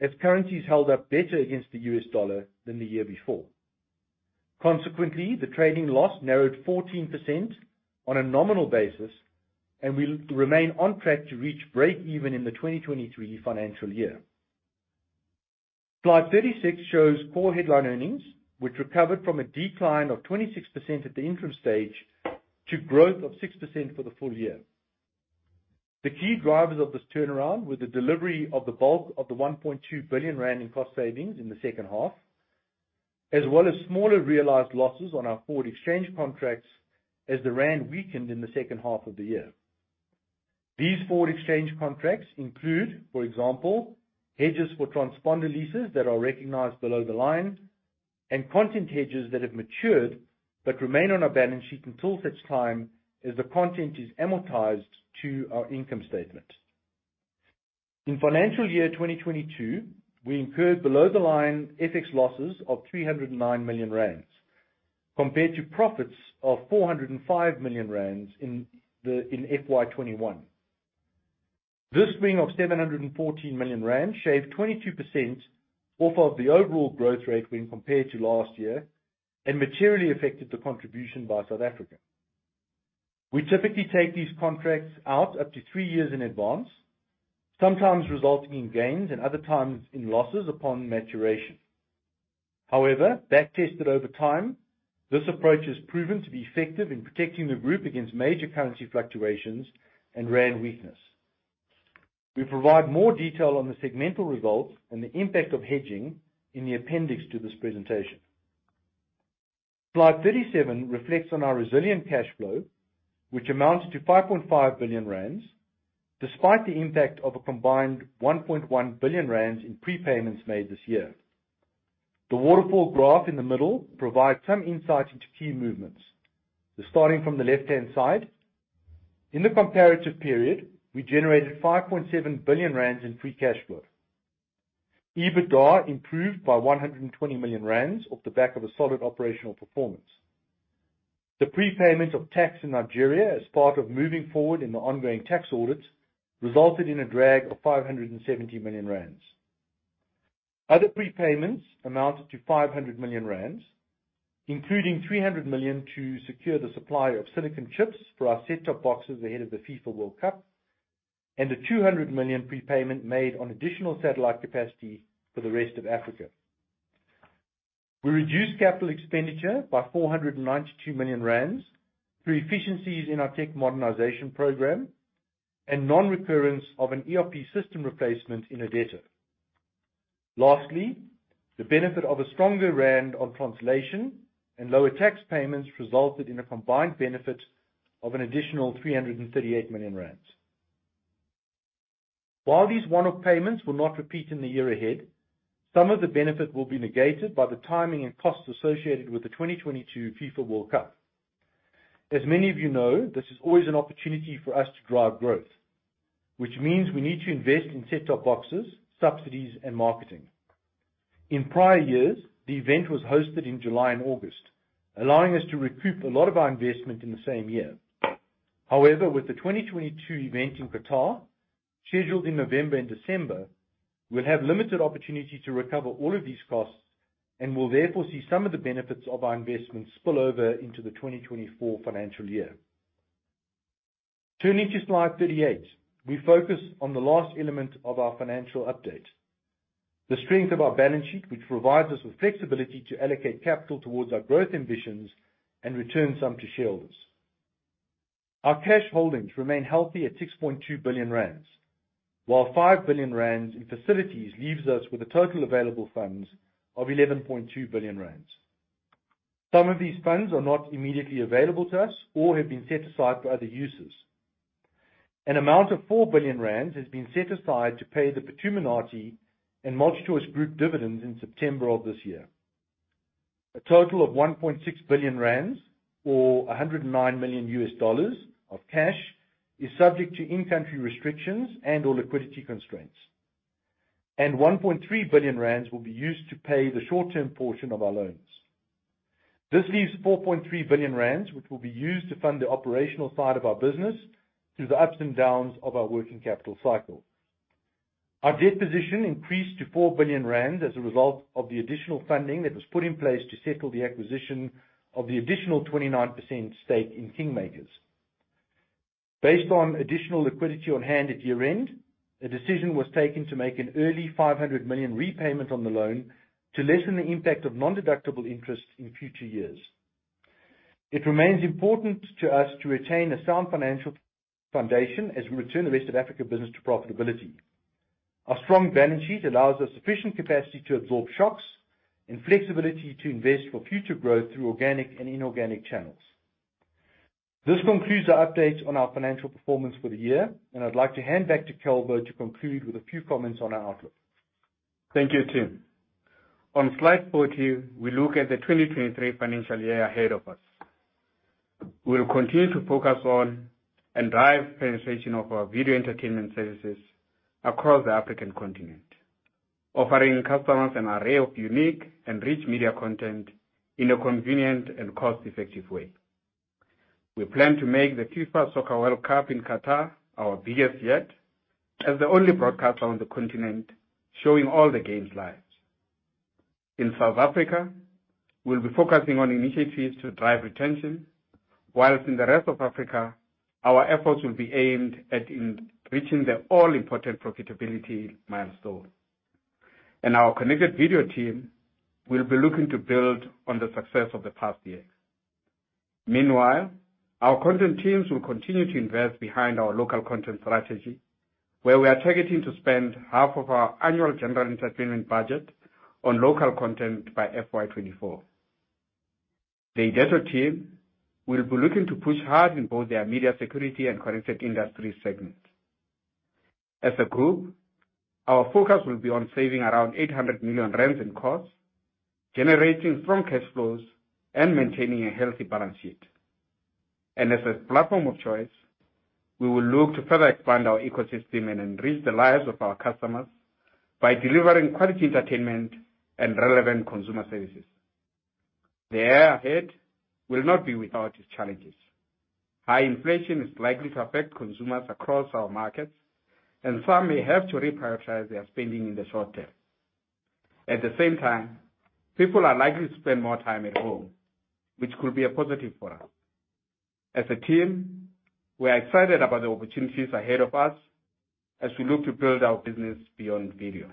as currencies held up better against the US dollar than the year before. Consequently, the trading loss narrowed 14% on a nominal basis and will remain on track to reach break even in the 2023 financial year. Slide 36 shows core headline earnings, which recovered from a decline of 26% at the interim stage to growth of 6% for the full year. The key drivers of this turnaround were the delivery of the bulk of the 1.2 billion rand in cost savings in the second half, as well as smaller realized losses on our forward exchange contracts as the rand weakened in the second half of the year. These forward exchange contracts include, for example, hedges for transponder leases that are recognized below the line and content hedges that have matured but remain on our balance sheet until such time as the content is amortized to our income statement. In financial year 2022, we incurred below-the-line FX losses of 309 million rand, compared to profits of 405 million rand in FY 2021. This swing of 714 million rand shaved 22% off of the overall growth rate when compared to last year and materially affected the contribution by South Africa. We typically take these contracts out up to three years in advance, sometimes resulting in gains and other times in losses upon maturation. However, back tested over time, this approach has proven to be effective in protecting the group against major currency fluctuations and rand weakness. We provide more detail on the segmental results and the impact of hedging in the appendix to this presentation. Slide 37 reflects on our resilient cash flow, which amounts to 5.5 billion rand, despite the impact of a combined 1.1 billion rand in prepayments made this year. The waterfall graph in the middle provides some insight into key movements. Starting from the left-hand side, in the comparative period, we generated 5.7 billion rand in free cash flow. EBITDA improved by 120 million rand off the back of a solid operational performance. The prepayment of tax in Nigeria as part of moving forward in the ongoing tax audits resulted in a drag of 570 million rand. Other prepayments amounted to 500 million rand, including 300 million to secure the supply of silicon chips for our set-top boxes ahead of the FIFA World Cup, and a 200 million prepayment made on additional satellite capacity for the rest of Africa. We reduced capital expenditure by 492 million rand through efficiencies in our tech modernization program and non-recurrence of an ERP system replacement in Irdeto. Lastly, the benefit of a stronger rand on translation and lower tax payments resulted in a combined benefit of an additional 338 million rand. While these one-off payments will not repeat in the year ahead, some of the benefit will be negated by the timing and costs associated with the 2022 FIFA World Cup. As many of you know, this is always an opportunity for us to drive growth, which means we need to invest in set-top boxes, subsidies, and marketing. In prior years, the event was hosted in July and August, allowing us to recoup a lot of our investment in the same year. However, with the 2022 event in Qatar, scheduled in November and December, we'll have limited opportunity to recover all of these costs and will therefore see some of the benefits of our investment spill over into the 2024 financial year. Turning to slide 38, we focus on the last element of our financial update, the strength of our balance sheet, which provides us with flexibility to allocate capital towards our growth ambitions and return some to shareholders. Our cash holdings remain healthy at 6.2 billion rand, while 5 billion rand in facilities leaves us with a total available funds of 11.2 billion rand. Some of these funds are not immediately available to us or have been set aside for other uses. An amount of 4 billion rand has been set aside to pay the Phuthuma Nathi and MultiChoice Group dividends in September of this year. A total of 1.6 billion rand, or $109 million of cash is subject to in-country restrictions and/or liquidity constraints. 1.3 billion rands will be used to pay the short-term portion of our loans. This leaves 4.3 billion rand, which will be used to fund the operational side of our business through the ups and downs of our working capital cycle. Our debt position increased to 4 billion rand as a result of the additional funding that was put in place to settle the acquisition of the additional 29% stake in Kingmakers. Based on additional liquidity on hand at year-end, a decision was taken to make an early 500 million repayment on the loan to lessen the impact of nondeductible interest in future years. It remains important to us to retain a sound financial foundation as we return the rest of Africa business to profitability. Our strong balance sheet allows us sufficient capacity to absorb shocks and flexibility to invest for future growth through organic and inorganic channels. This concludes our updates on our financial performance for the year, and I'd like to hand back to Calvo to conclude with a few comments on our outlook. Thank you, Tim. On slide 40, we look at the 2023 financial year ahead of us. We'll continue to focus on and drive penetration of our video entertainment services across the African continent, offering customers an array of unique and rich media content in a convenient and cost-effective way. We plan to make the FIFA World Cup in Qatar our biggest yet, as the only broadcaster on the continent showing all the games live. In South Africa, we'll be focusing on initiatives to drive retention, while in the rest of Africa, our efforts will be aimed at reaching the all-important profitability milestone. Our connected video team will be looking to build on the success of the past years. Meanwhile, our content teams will continue to invest behind our local content strategy, where we are targeting to spend half of our annual general entertainment budget on local content by FY 2024. The Irdeto team will be looking to push hard in both their media security and connected industry segments. As a group, our focus will be on saving around 800 million rand in costs, generating strong cash flows, and maintaining a healthy balance sheet. As a platform of choice, we will look to further expand our ecosystem and enrich the lives of our customers by delivering quality entertainment and relevant consumer services. The year ahead will not be without its challenges. High inflation is likely to affect consumers across our markets, and some may have to reprioritize their spending in the short term. At the same time, people are likely to spend more time at home, which could be a positive for us. As a team, we are excited about the opportunities ahead of us as we look to build our business beyond video.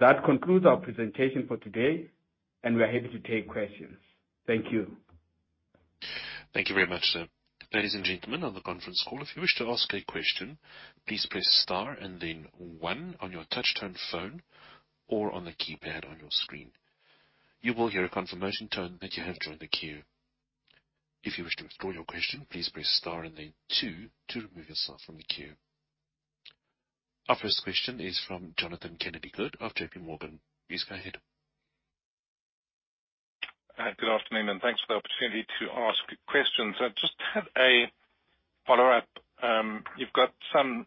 That concludes our presentation for today, and we are happy to take questions. Thank you. Thank you very much, sir. Ladies and gentlemen, on the conference call, if you wish to ask a question, please press star and then one on your touch-tone phone or on the keypad on your screen. You will hear a confirmation tone that you have joined the queue. If you wish to withdraw your question, please press star and then two to remove yourself from the queue. Our first question is from Jonathan Kennedy-Good of JPMorgan. Please go ahead. Good afternoon, and thanks for the opportunity to ask questions. I just have a follow-up. You've got some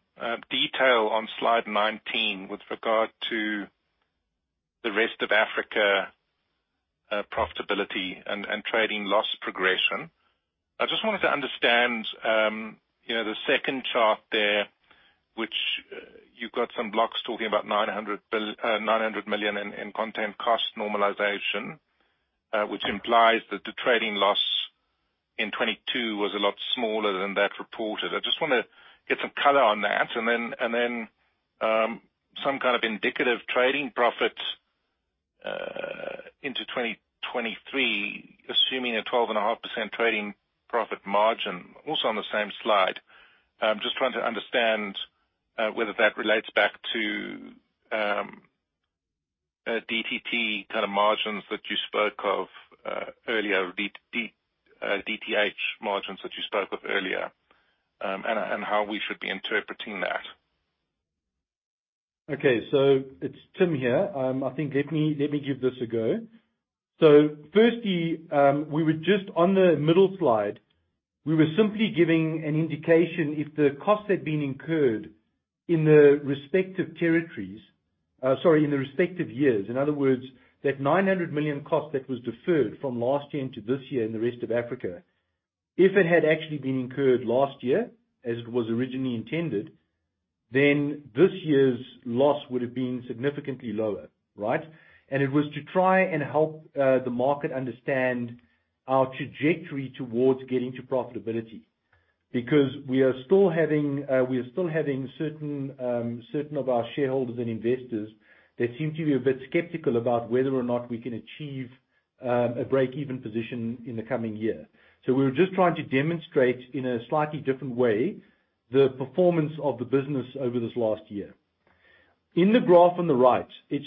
detail on slide 19 with regard to the rest of Africa profitability and trading loss progression. I just wanted to understand, you know, the second chart there, which you've got some blocks talking about 900 million in content cost normalization, which implies that the trading loss in 2022 was a lot smaller than that reported. I just wanna get some color on that. Some kind of indicative trading profit into 2023, assuming a 12.5% trading profit margin, also on the same slide. Just trying to understand whether that relates back to DTT kind of margins that you spoke of earlier. DTH margins that you spoke of earlier, and how we should be interpreting that. Okay. It's Tim here. I think let me give this a go. Firstly, we were just on the middle slide. We were simply giving an indication if the costs had been incurred in the respective territories. Sorry, in the respective years. In other words, that 900 million cost that was deferred from last year into this year in the Rest of Africa, if it had actually been incurred last year, as it was originally intended, then this year's loss would have been significantly lower, right? It was to try and help the market understand our trajectory towards getting to profitability, because we are still having certain of our shareholders and investors that seem to be a bit skeptical about whether or not we can achieve a break-even position in the coming year. We're just trying to demonstrate, in a slightly different way, the performance of the business over this last year. The graph on the right is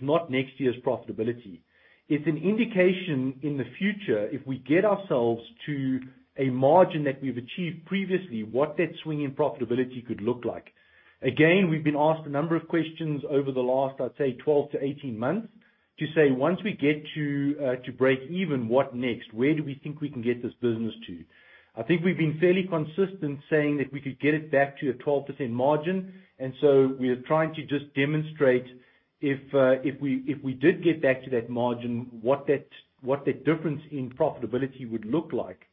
not next year's profitability. It's an indication in the future, if we get ourselves to a margin that we've achieved previously, what that swing in profitability could look like. Again, we've been asked a number of questions over the last, I'd say, 12-18 months to say, "Once we get to break even, what next? Where do we think we can get this business to?" I think we've been fairly consistent saying that we could get it back to a 12% margin, and so we are trying to just demonstrate if we did get back to that margin, what that difference in profitability would look like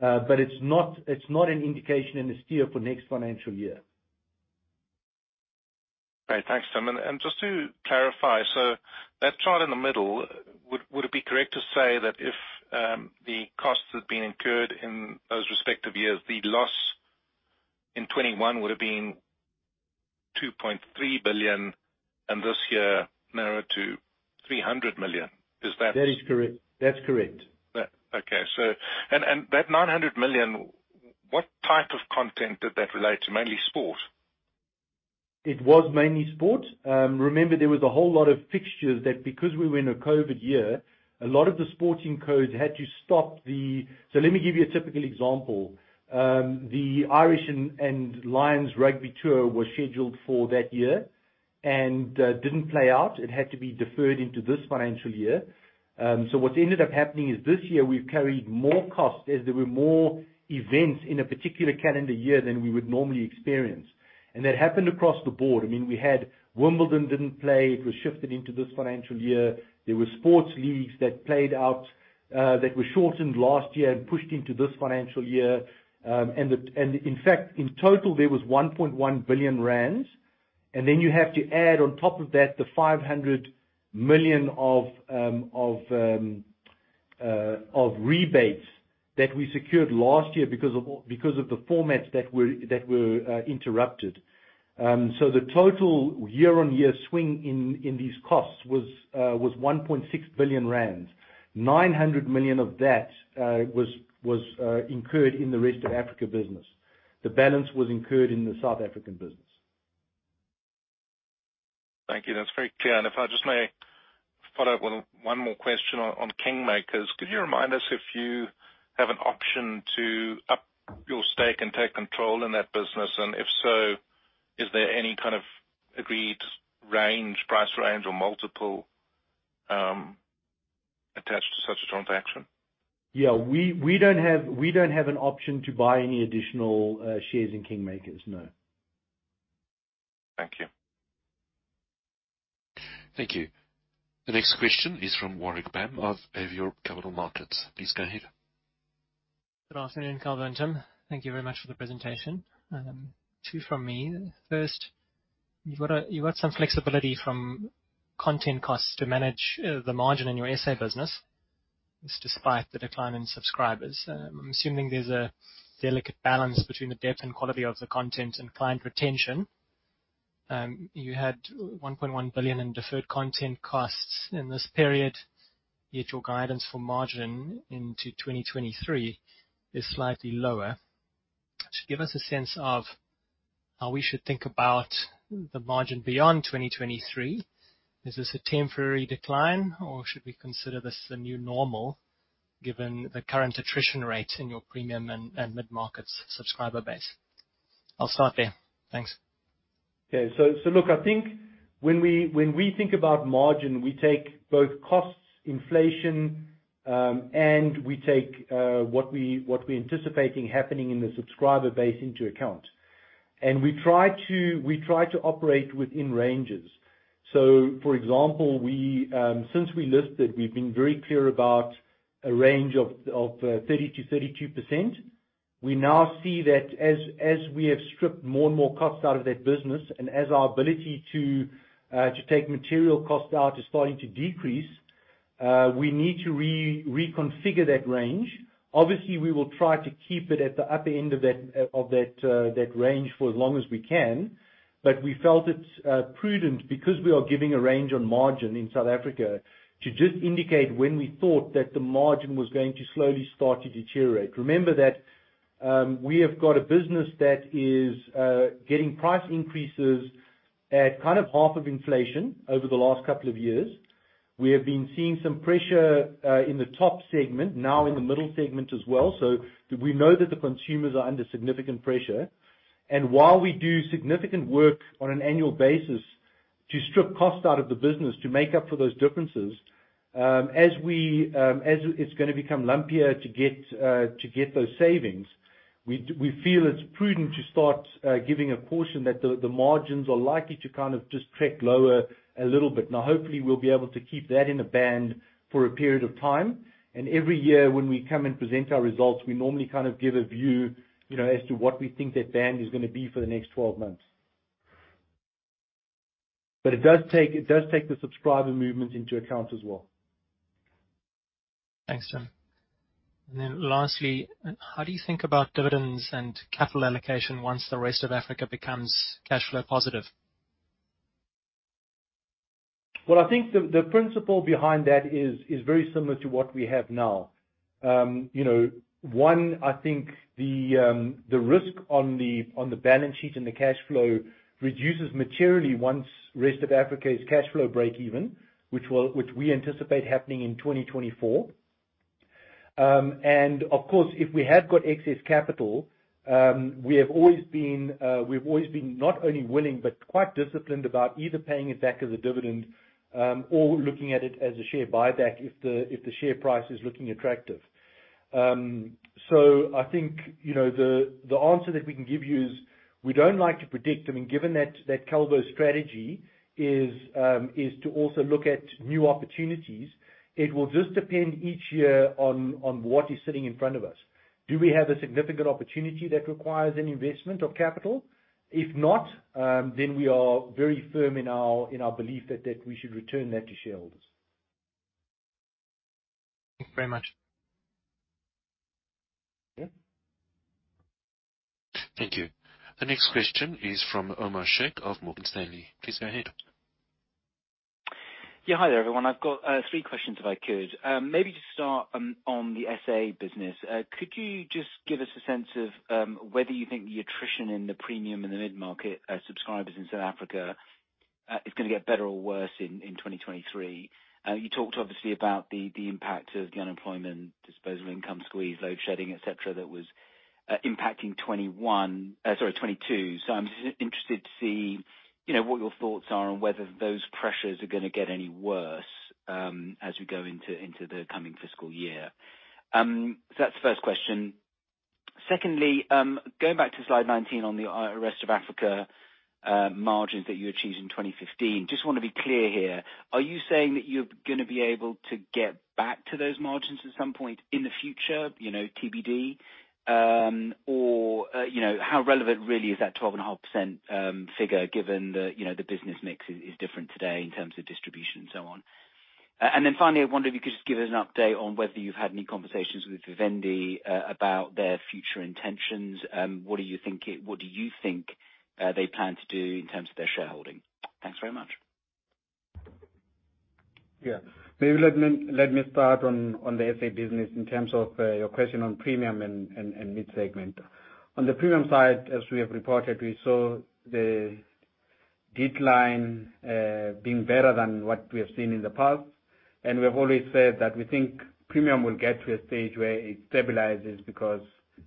but it's not an indication and a steer for next financial year. Okay. Thanks, Tim. Just to clarify, so that chart in the middle, would it be correct to say that if the costs had been incurred in those respective years, the loss in 2021 would have been 2.3 billion and this year narrowed to 300 million? Is that- That is correct. That's correct. Okay. That 900 million, what type of content did that relate to, mainly sport? It was mainly sport. Remember there was a whole lot of fixtures that, because we were in a COVID year, a lot of the sporting codes had to stop. Let me give you a typical example. The British & Irish Lions rugby tour was scheduled for that year and didn't play out. It had to be deferred into this financial year. What ended up happening is this year we've carried more costs as there were more events in a particular calendar year than we would normally experience. That happened across the board. I mean, we had Wimbledon didn't play. It was shifted into this financial year. There were sports leagues that played out that were shortened last year and pushed into this financial year. In fact, in total, there was 1.1 billion rand. Then you have to add on top of that the 500 million of rebates that we secured last year because of the formats that were interrupted. The total year-on-year swing in these costs was 1.6 billion rand. 900 million of that was incurred in the Rest of Africa business. The balance was incurred in the South African business. Thank you. That's very clear. If I just may follow up on one more question on Kingmakers. Could you remind us if you have an option to up your stake and take control in that business? If so, is there any kind of agreed range, price range or multiple attached to such a transaction? Yeah. We don't have an option to buy any additional shares in Kingmakers. No. Thank you. Thank you. The next question is from Warwick Bam of Avior Capital Markets. Please go ahead. Good afternoon, Calvo and Tim. Thank you very much for the presentation. Two from me. First, you've got some flexibility from content costs to manage the margin in your S.A. business, this despite the decline in subscribers. I'm assuming there's a delicate balance between the depth and quality of the content and client retention. You had 1.1 billion in deferred content costs in this period, yet your guidance for margin into 2023 is slightly lower. Could you give us a sense of how we should think about the margin beyond 2023? Is this a temporary decline, or should we consider this the new normal given the current attrition rate in your premium and mid-market subscriber base? I'll start there. Thanks. Look, I think when we think about margin, we take both costs, inflation, and we take what we're anticipating happening in the subscriber base into account. We try to operate within ranges. For example, since we listed, we've been very clear about a range of 30%-32%. We now see that as we have stripped more and more costs out of that business and as our ability to take material costs out is starting to decrease, we need to reconfigure that range. Obviously, we will try to keep it at the upper end of that range for as long as we can. We felt it prudent because we are giving a range on margin in South Africa to just indicate when we thought that the margin was going to slowly start to deteriorate. Remember that, we have got a business that is getting price increases at kind of half of inflation over the last couple of years. We have been seeing some pressure in the top segment, now in the middle segment as well. We know that the consumers are under significant pressure. While we do significant work on an annual basis to strip costs out of the business to make up for those differences, as it's gonna become lumpier to get those savings, we feel it's prudent to start giving a portion that the margins are likely to kind of just track lower a little bit. Now, hopefully, we'll be able to keep that in a band for a period of time. Every year when we come and present our results, we normally kind of give a view, you know, as to what we think that band is gonna be for the next 12 months. It does take the subscriber movement into account as well. Thanks, Tim. Lastly, how do you think about dividends and capital allocation once the rest of Africa becomes cash flow positive? I think the principle behind that is very similar to what we have now. You know, one, I think the risk on the balance sheet and the cash flow reduces materially once Rest of Africa is cash flow breakeven, which we anticipate happening in 2024. Of course, if we have got excess capital, we've always been not only willing but quite disciplined about either paying it back as a dividend, or looking at it as a share buyback if the share price is looking attractive. I think, you know, the answer that we can give you is we don't like to predict. I mean, given that Calvo's strategy is to also look at new opportunities, it will just depend each year on what is sitting in front of us. Do we have a significant opportunity that requires an investment of capital? If not, then we are very firm in our belief that we should return that to shareholders. Thank you very much. Yeah. Thank you. The next question is from Omar Sheikh of Morgan Stanley. Please go ahead. Yeah. Hi, there, everyone. I've got three questions, if I could. Maybe to start on the S.A. business. Could you just give us a sense of whether you think the attrition in the premium and the mid-market subscribers in South Africa is gonna get better or worse in 2023? You talked obviously about the impact of the unemployment, disposable income squeeze, load shedding, et cetera, that was impacting 2022. I'm just interested to see, you know, what your thoughts are on whether those pressures are gonna get any worse, as we go into the coming fiscal year. That's the first question. Secondly, going back to slide 19 on the rest of Africa, margins that you achieved in 2015, just wanna be clear here, are you saying that you're gonna be able to get back to those margins at some point in the future, you know, TBD, or, you know, how relevant really is that 12.5% figure given the, you know, the business mix is different today in terms of distribution and so on. Then finally, I wonder if you could just give us an update on whether you've had any conversations with Vivendi about their future intentions and what do you think they plan to do in terms of their shareholding? Thanks very much. Yeah. Maybe let me start on the S.A. business in terms of your question on premium and mid-segment. On the premium side, as we have reported, we saw the decline being better than what we have seen in the past. We have always said that we think premium will get to a stage where it stabilizes because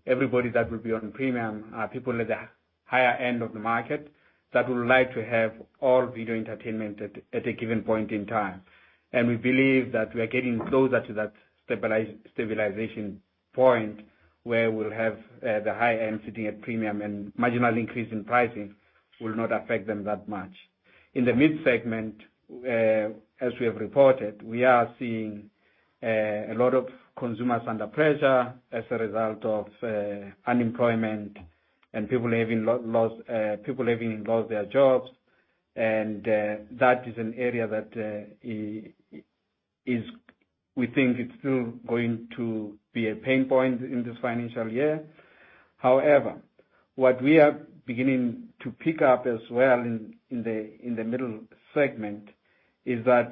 everybody that will be on premium are people at the higher end of the market that would like to have all video entertainment at a given point in time. We believe that we are getting closer to that stabilization point where we'll have the high end sitting at premium and marginal increase in pricing will not affect them that much. In the mid-segment, as we have reported, we are seeing a lot of consumers under pressure as a result of unemployment and people having lost their jobs. That is an area that we think is still going to be a pain point in this financial year. However, what we are beginning to pick up as well in the middle segment is that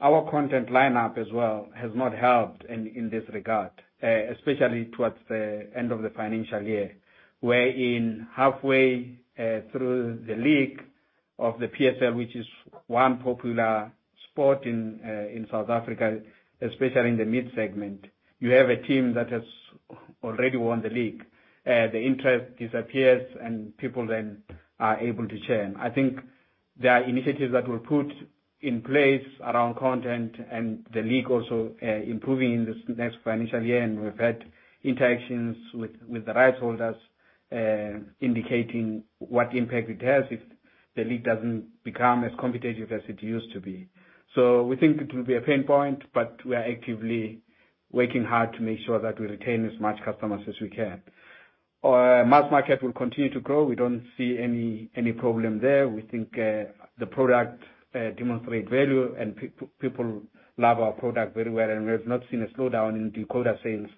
our content lineup as well has not helped in this regard, especially towards the end of the financial year, wherein halfway through the league of the PSL, which is one popular sport in South Africa, especially in the mid-segment. You have a team that has already won the league. The interest disappears and people then are able to churn. I think there are initiatives that were put in place around content and the league also improving in this next financial year, and we've had interactions with the rights holders indicating what impact it has if the league doesn't become as competitive as it used to be. We think it will be a pain point, but we are actively working hard to make sure that we retain as much customers as we can. Our mass market will continue to grow. We don't see any problem there. We think the product demonstrate value and people love our product very well, and we have not seen a slowdown in decoder sales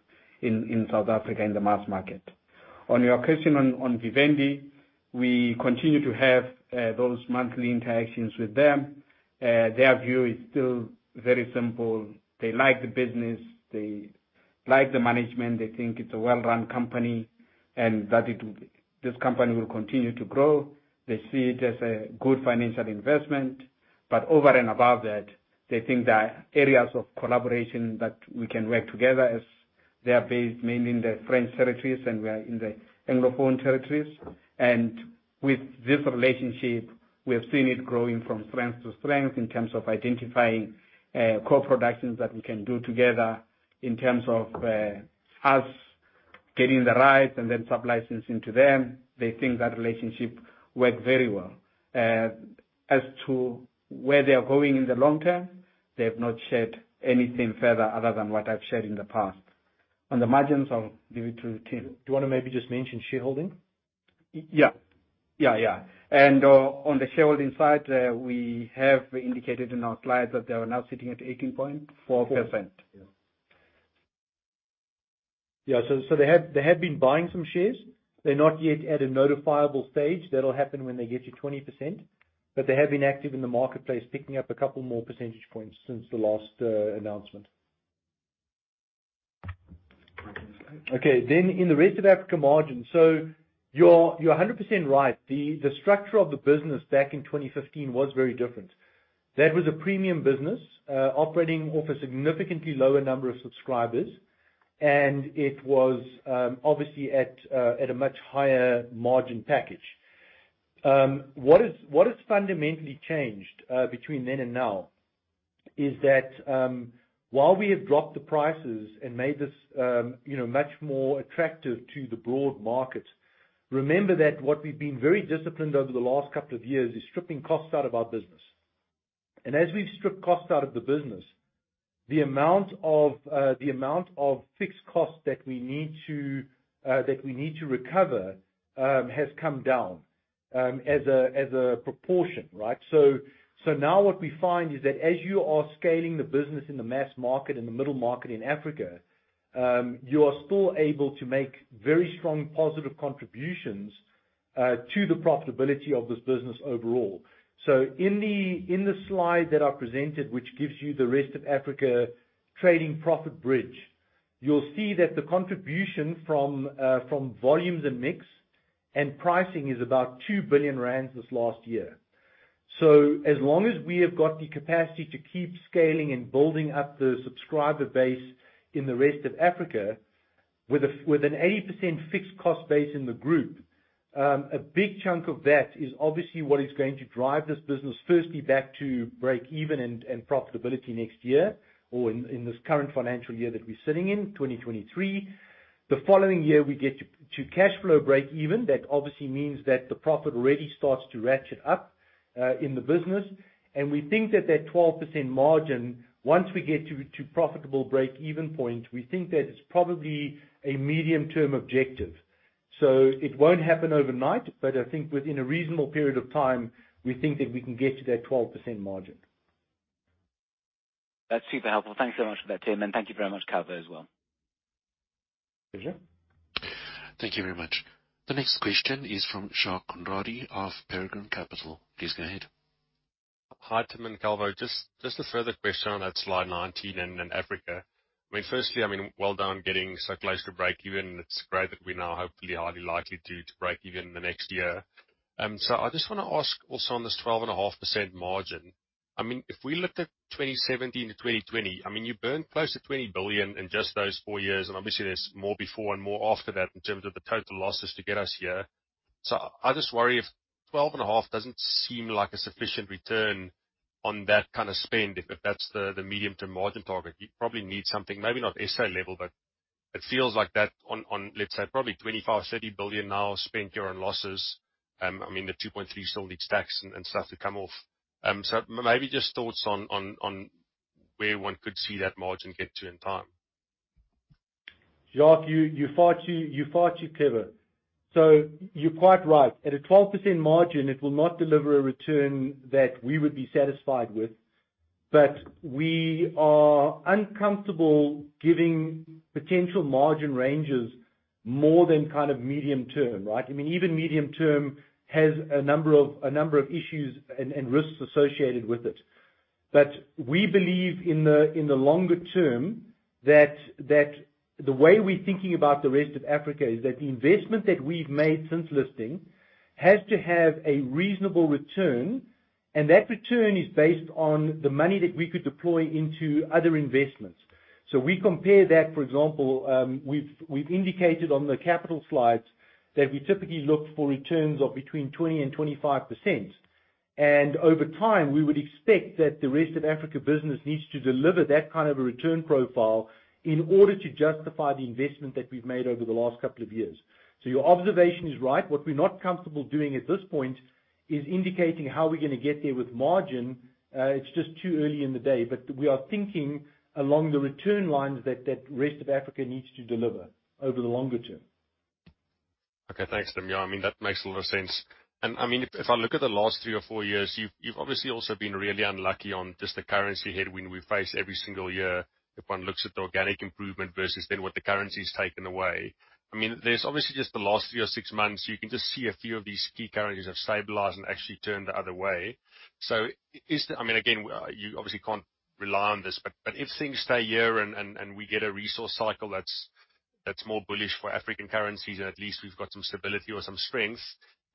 in South Africa in the mass market. On your question on Vivendi, we continue to have those monthly interactions with them. Their view is still very simple. They like the business. They like the management. They think it's a well-run company, and that this company will continue to grow. They see it as a good financial investment. Over and above that, they think there are areas of collaboration that we can work together as they are based mainly in the French territories, and we are in the Anglophone territories. With this relationship, we have seen it growing from strength to strength in terms of identifying, co-productions that we can do together in terms of, us getting the rights and then sub-licensing to them. They think that relationship worked very well. As to where they are going in the long term, they have not shared anything further other than what I've shared in the past. On the margins, I'll give it to Tim. Do you wanna maybe just mention shareholding? Yeah. On the shareholding side, we have indicated in our slides that they are now sitting at 18.4%. They have been buying some shares. They're not yet at a notifiable stage. That'll happen when they get to 20%, but they have been active in the marketplace, picking up a couple more percentage points since the last announcement. In the rest of Africa margin, you're 100% right. The structure of the business back in 2015 was very different. That was a premium business operating off a significantly lower number of subscribers, and it was obviously at a much higher margin package. What has fundamentally changed between then and now is that, while we have dropped the prices and made this, you know, much more attractive to the broad market, remember that what we've been very disciplined over the last couple of years is stripping costs out of our business. As we've stripped costs out of the business, the amount of fixed costs that we need to recover has come down, as a proportion, right? Now what we find is that as you are scaling the business in the mass market and the middle market in Africa, you are still able to make very strong positive contributions to the profitability of this business overall. In the slide that I presented, which gives you the rest of Africa trading profit bridge, you'll see that the contribution from volumes and mix and pricing is about 2 billion rand this last year. As long as we have got the capacity to keep scaling and building up the subscriber base in the rest of Africa with an 80% fixed cost base in the group, a big chunk of that is obviously what is going to drive this business, firstly back to break even and profitability next year or in this current financial year that we're sitting in, 2023. The following year, we get to cash flow break even. That obviously means that the profit really starts to ratchet up in the business. We think that 12% margin, once we get to profitable break-even point, we think that it's probably a medium-term objective. It won't happen overnight, but I think within a reasonable period of time, we think that we can get to that 12% margin. That's super helpful. Thanks so much for that, Tim, and thank you very much, Calvo, as well. Pleasure. Thank you very much. The next question is from Jacques Conradie of Peregrine Capital. Please go ahead. Hi, Tim and Calvo. Just a further question on that slide 19 in Africa. I mean, firstly, I mean, well done getting so close to break even. It's great that we're now hopefully highly likely to break even in the next year. I just wanna ask also on this 12.5% margin. I mean, if we looked at 2017-2020, I mean, you burned close to 20 billion in just those four years, and obviously there's more before and more after that in terms of the total losses to get us here. I just worry if 12.5% doesn't seem like a sufficient return on that kind of spend, if that's the medium-term margin target. You probably need something, maybe not S.A. level, but it feels like that on, let's say, probably 25-30 billion now spent here on losses. I mean, the 2.3% still needs tax and stuff to come off. Maybe just thoughts on where one could see that margin get to in time. Jacques, you're far too clever. You're quite right. At a 12% margin, it will not deliver a return that we would be satisfied with, but we are uncomfortable giving potential margin ranges more than kind of medium term, right? I mean, even medium term has a number of issues and risks associated with it. We believe in the longer term that the way we're thinking about the rest of Africa is that the investment that we've made since listing has to have a reasonable return, and that return is based on the money that we could deploy into other investments. We compare that, for example, we've indicated on the capital slides that we typically look for returns of between 20%-25%. Over time, we would expect that the rest of Africa business needs to deliver that kind of a return profile in order to justify the investment that we've made over the last couple of years. Your observation is right. What we're not comfortable doing at this point is indicating how we're gonna get there with margin. It's just too early in the day, but we are thinking along the return lines that rest of Africa needs to deliver over the longer term. Okay. Thanks, Tim. Yeah, I mean, that makes a lot of sense. I mean, if I look at the last three or four years, you've obviously also been really unlucky on just the currency headwind we face every single year. If one looks at the organic improvement versus then what the currency's taken away, I mean, there's obviously just the last three or six months, you can just see a few of these key currencies have stabilized and actually turned the other way. I mean, again, you obviously can't rely on this, but if things stay here and we get a resource cycle that's more bullish for African currencies, and at least we've got some stability or some strength,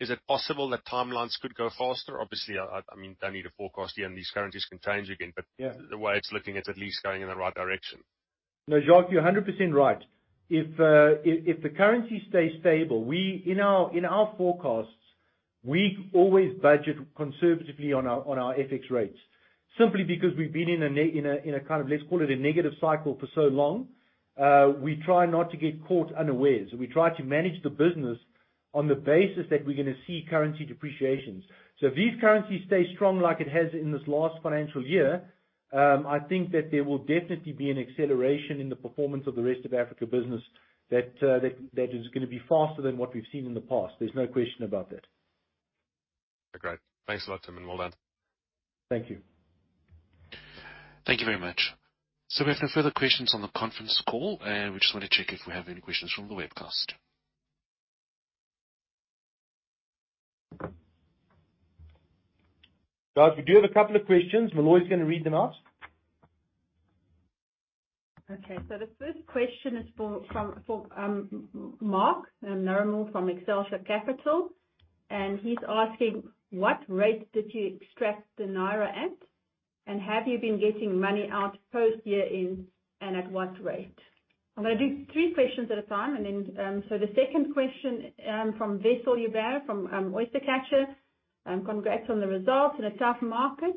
is it possible that timelines could go faster? Obviously, I mean, don't need to forecast here, and these currencies can change again. Yeah. The way it's looking, it's at least going in the right direction. No, Jacques, you're 100% right. If the currency stays stable, in our forecasts, we always budget conservatively on our FX rates simply because we've been in a kind of, let's call it a negative cycle for so long. We try not to get caught unawares. We try to manage the business on the basis that we're gonna see currency depreciations. If these currencies stay strong like it has in this last financial year, I think that there will definitely be an acceleration in the performance of the rest of Africa business that is gonna be faster than what we've seen in the past. There's no question about that. Okay, great. Thanks a lot, Tim, and well done. Thank you. Thank you very much. We have no further questions on the conference call. We just wanna check if we have any questions from the webcast. Guys, we do have a couple of questions. Meloy's gonna read them out. Okay. The first question is from Mark Ninal from Excelsior Capital, and he's asking: What rate did you extract the naira at and have you been getting money out post year-end, and at what rate? I'm gonna do three questions at a time, and then. The second question from Basil Gillmor from Oyster Catcher. Congrats on the results in a tough market.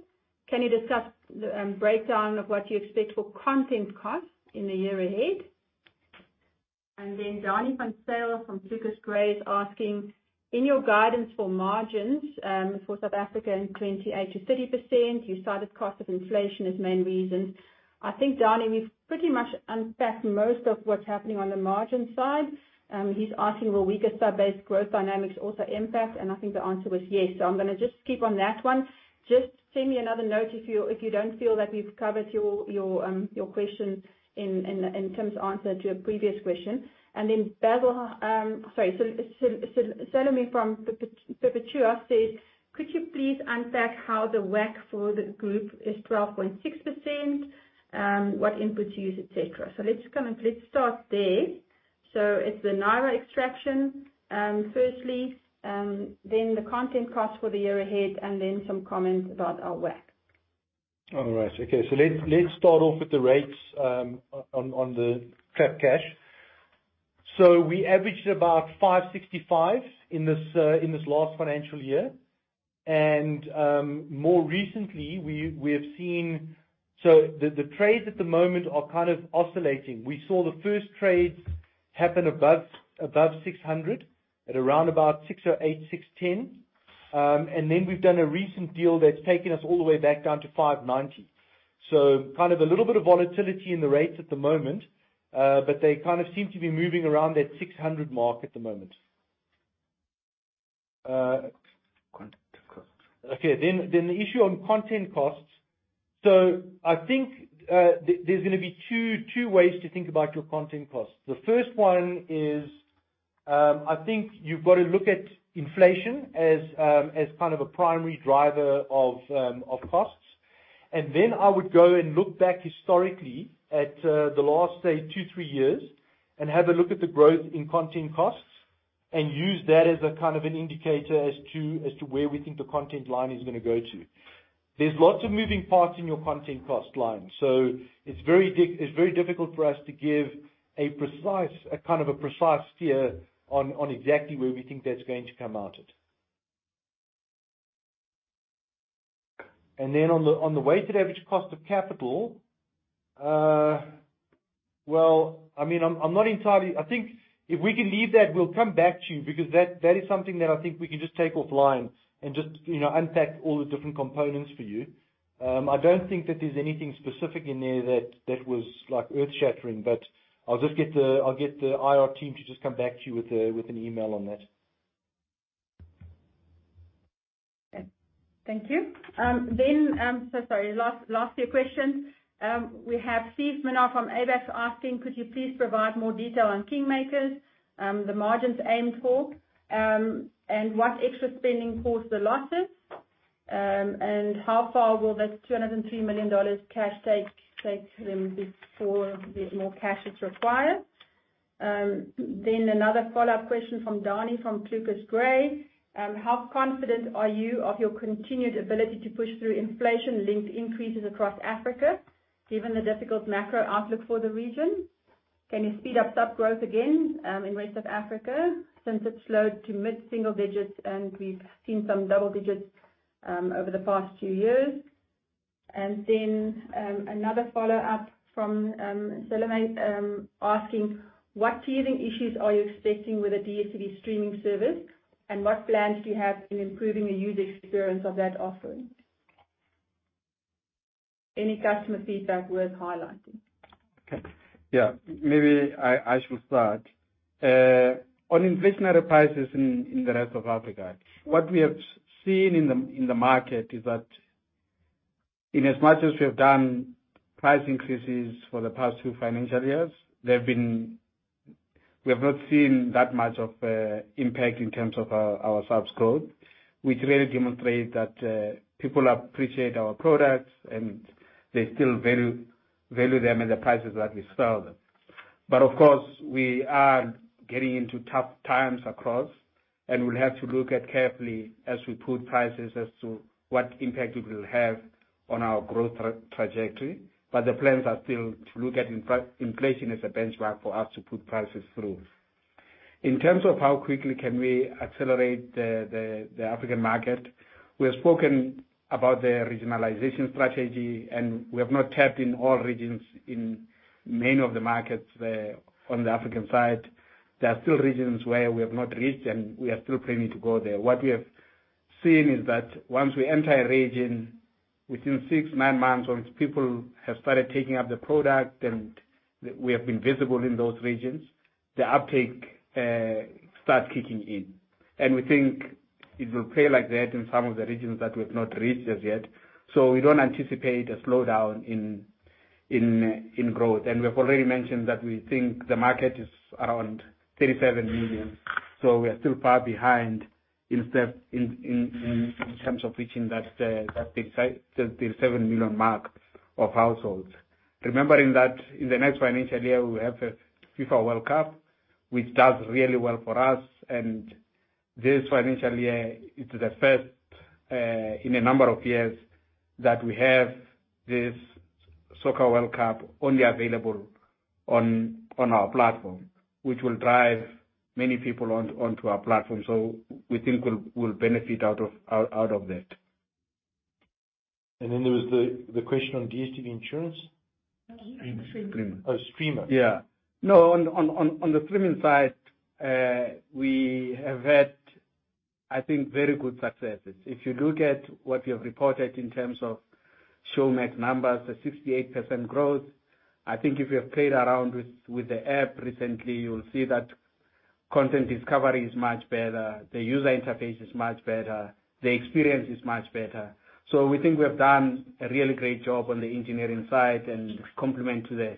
Can you discuss the breakdown of what you expect for content costs in the year ahead? Then Donny Segerman from ClucasGray is asking: In your guidance for margins for South Africa in 28%-30%, you cited cost inflation as main reasons. I think, Donnie, we've pretty much unpacked most of what's happening on the margin side. He's asking, will weaker subscriber-based growth dynamics also impact, and I think the answer was yes. I'm gonna just keep on that one. Just send me another note if you don't feel that we've covered your question in Tim's answer to a previous question. Sorry. Salome from Perpetua says. Could you please unpack how the WACC for the group is 12.6%, what inputs you use, et cetera. Let's kinda start there. It's the naira extraction, firstly, then the content costs for the year ahead, and then some comments about our WACC. All right. Okay. Let's start off with the rates on the trapped cash. We averaged about 565 in this last financial year. More recently, we have seen the trades at the moment are kind of oscillating. We saw the first trades happen above 600 at around about 608, 610. Then we've done a recent deal that's taken us all the way back down to 590. Kind of a little bit of volatility in the rates at the moment, but they kind of seem to be moving around that 600 mark at the moment. Content costs. Okay. The issue on content costs. I think, there's gonna be two ways to think about your content costs. The first one is, I think you've got to look at inflation as kind of a primary driver of costs. I would go and look back historically at, the last, say, 2-3 years and have a look at the growth in content costs and use that as a kind of an indicator as to where we think the content line is gonna go to. There's lots of moving parts in your content cost line, so it's very difficult for us to give a precise, a kind of a precise steer on exactly where we think that's going to come out at. Then on the weighted average cost of capital, I mean, I'm not entirely I think if we can leave that, we'll come back to you because that is something that I think we can just take offline and just you know unpack all the different components for you. I don't think that there's anything specific in there that was like earth-shattering, but I'll get the IR team to just come back to you with an email on that. Okay. Thank you. Sorry, last few questions. We have Steve Mogale from Absa asking: Could you please provide more detail on Kingmakers, the margins aimed for, and what extra spending caused the losses, and how far will that $203 million cash take them before more cash is required? Another follow-up question from Donny from ClucasGray. How confident are you of your continued ability to push through inflation-linked increases across Africa, given the difficult macro outlook for the region? Can you speed up sub growth again in the rest of Africa, since it's slowed to mid-single digits and we've seen some double digits over the past two years? Another follow-up from Salome asking, what tiering issues are you expecting with the DStv streaming service, and what plans do you have in improving the user experience of that offering? Any customer feedback worth highlighting? Maybe I should start on inflationary prices in the rest of Africa. What we have seen in the market is that in as much as we have done price increases for the past two financial years, we have not seen that much of impact in terms of our subs growth, which really demonstrate that people appreciate our products, and they still value them at the prices that we sell them. Of course, we are getting into tough times across, and we'll have to look at carefully as we put prices as to what impact it will have on our growth trajectory, the plans are still to look at inflation as a benchmark for us to put prices through. In terms of how quickly we can accelerate the African market, we have spoken about the regionalization strategy, and we have not tapped into all regions in many of the markets on the African side. There are still regions where we have not reached, and we are still planning to go there. What we have seen is that once we enter a region, within 6-9 months, once people have started taking up the product and we have been visible in those regions, the uptake starts kicking in. We think it will play like that in some of the regions that we've not reached as yet. We don't anticipate a slowdown in growth. We have already mentioned that we think the market is around 37 million. We are still far behind in step in terms of reaching that big 37 million mark of households. Remembering that in the next financial year, we have a FIFA World Cup, which does really well for us. This financial year, it's the first in a number of years that we have this Soccer World Cup only available on our platform, which will drive many people onto our platform. We think we'll benefit out of that. There was the question on DStv insurance? Streaming. Oh, streaming. No, on the streaming side, we have had, I think, very good successes. If you look at what we have reported in terms of Showmax numbers, the 68% growth, I think if you have played around with the app recently, you'll see that content discovery is much better, the user interface is much better, the experience is much better. We think we have done a really great job on the engineering side, and compliments to the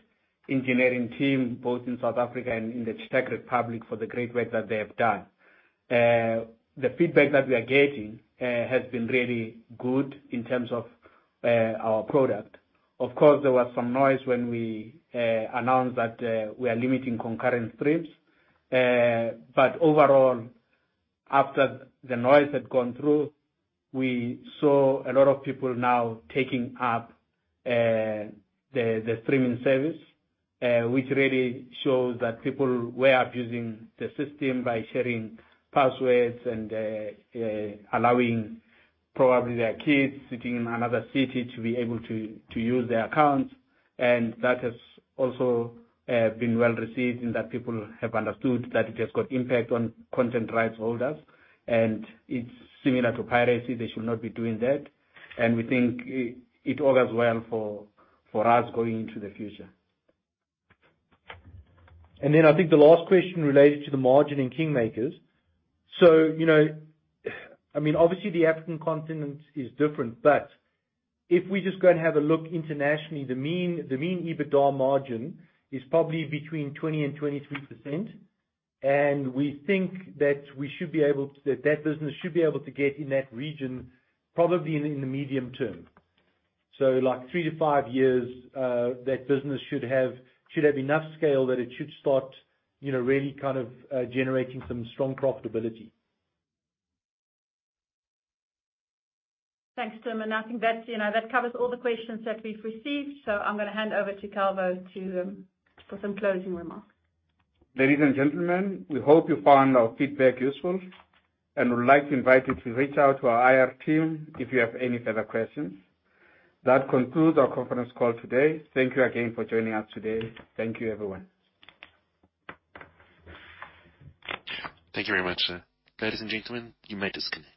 engineering team, both in South Africa and in the Czech Republic for the great work that they have done. The feedback that we are getting has been really good in terms of our product. Of course, there was some noise when we announced that we are limiting concurrent streams. Overall, after the noise had gone through, we saw a lot of people now taking up the streaming service, which really shows that people were abusing the system by sharing passwords and allowing probably their kids sitting in another city to be able to use their accounts. That has also been well received in that people have understood that it has got impact on content rights holders, and it's similar to piracy, they should not be doing that. We think it augurs well for us going into the future. I think the last question related to the margin in Kingmakers. You know, I mean, obviously the African continent is different, but if we just go and have a look internationally, the mean EBITDA margin is probably between 20%-23%, and we think that we should be able to- that business should be able to get in that region, probably in the medium term. Like 3-5 years, that business should have enough scale that it should start, you know, really kind of generating some strong profitability. Thanks, Tim. I think that's, you know, that covers all the questions that we've received, so I'm gonna hand over to Calvo to put some closing remarks. Ladies and gentlemen, we hope you found our feedback useful, and would like to invite you to reach out to our IR team if you have any further questions. That concludes our conference call today. Thank you again for joining us today. Thank you, everyone. Thank you very much. Ladies and gentlemen, you may disconnect.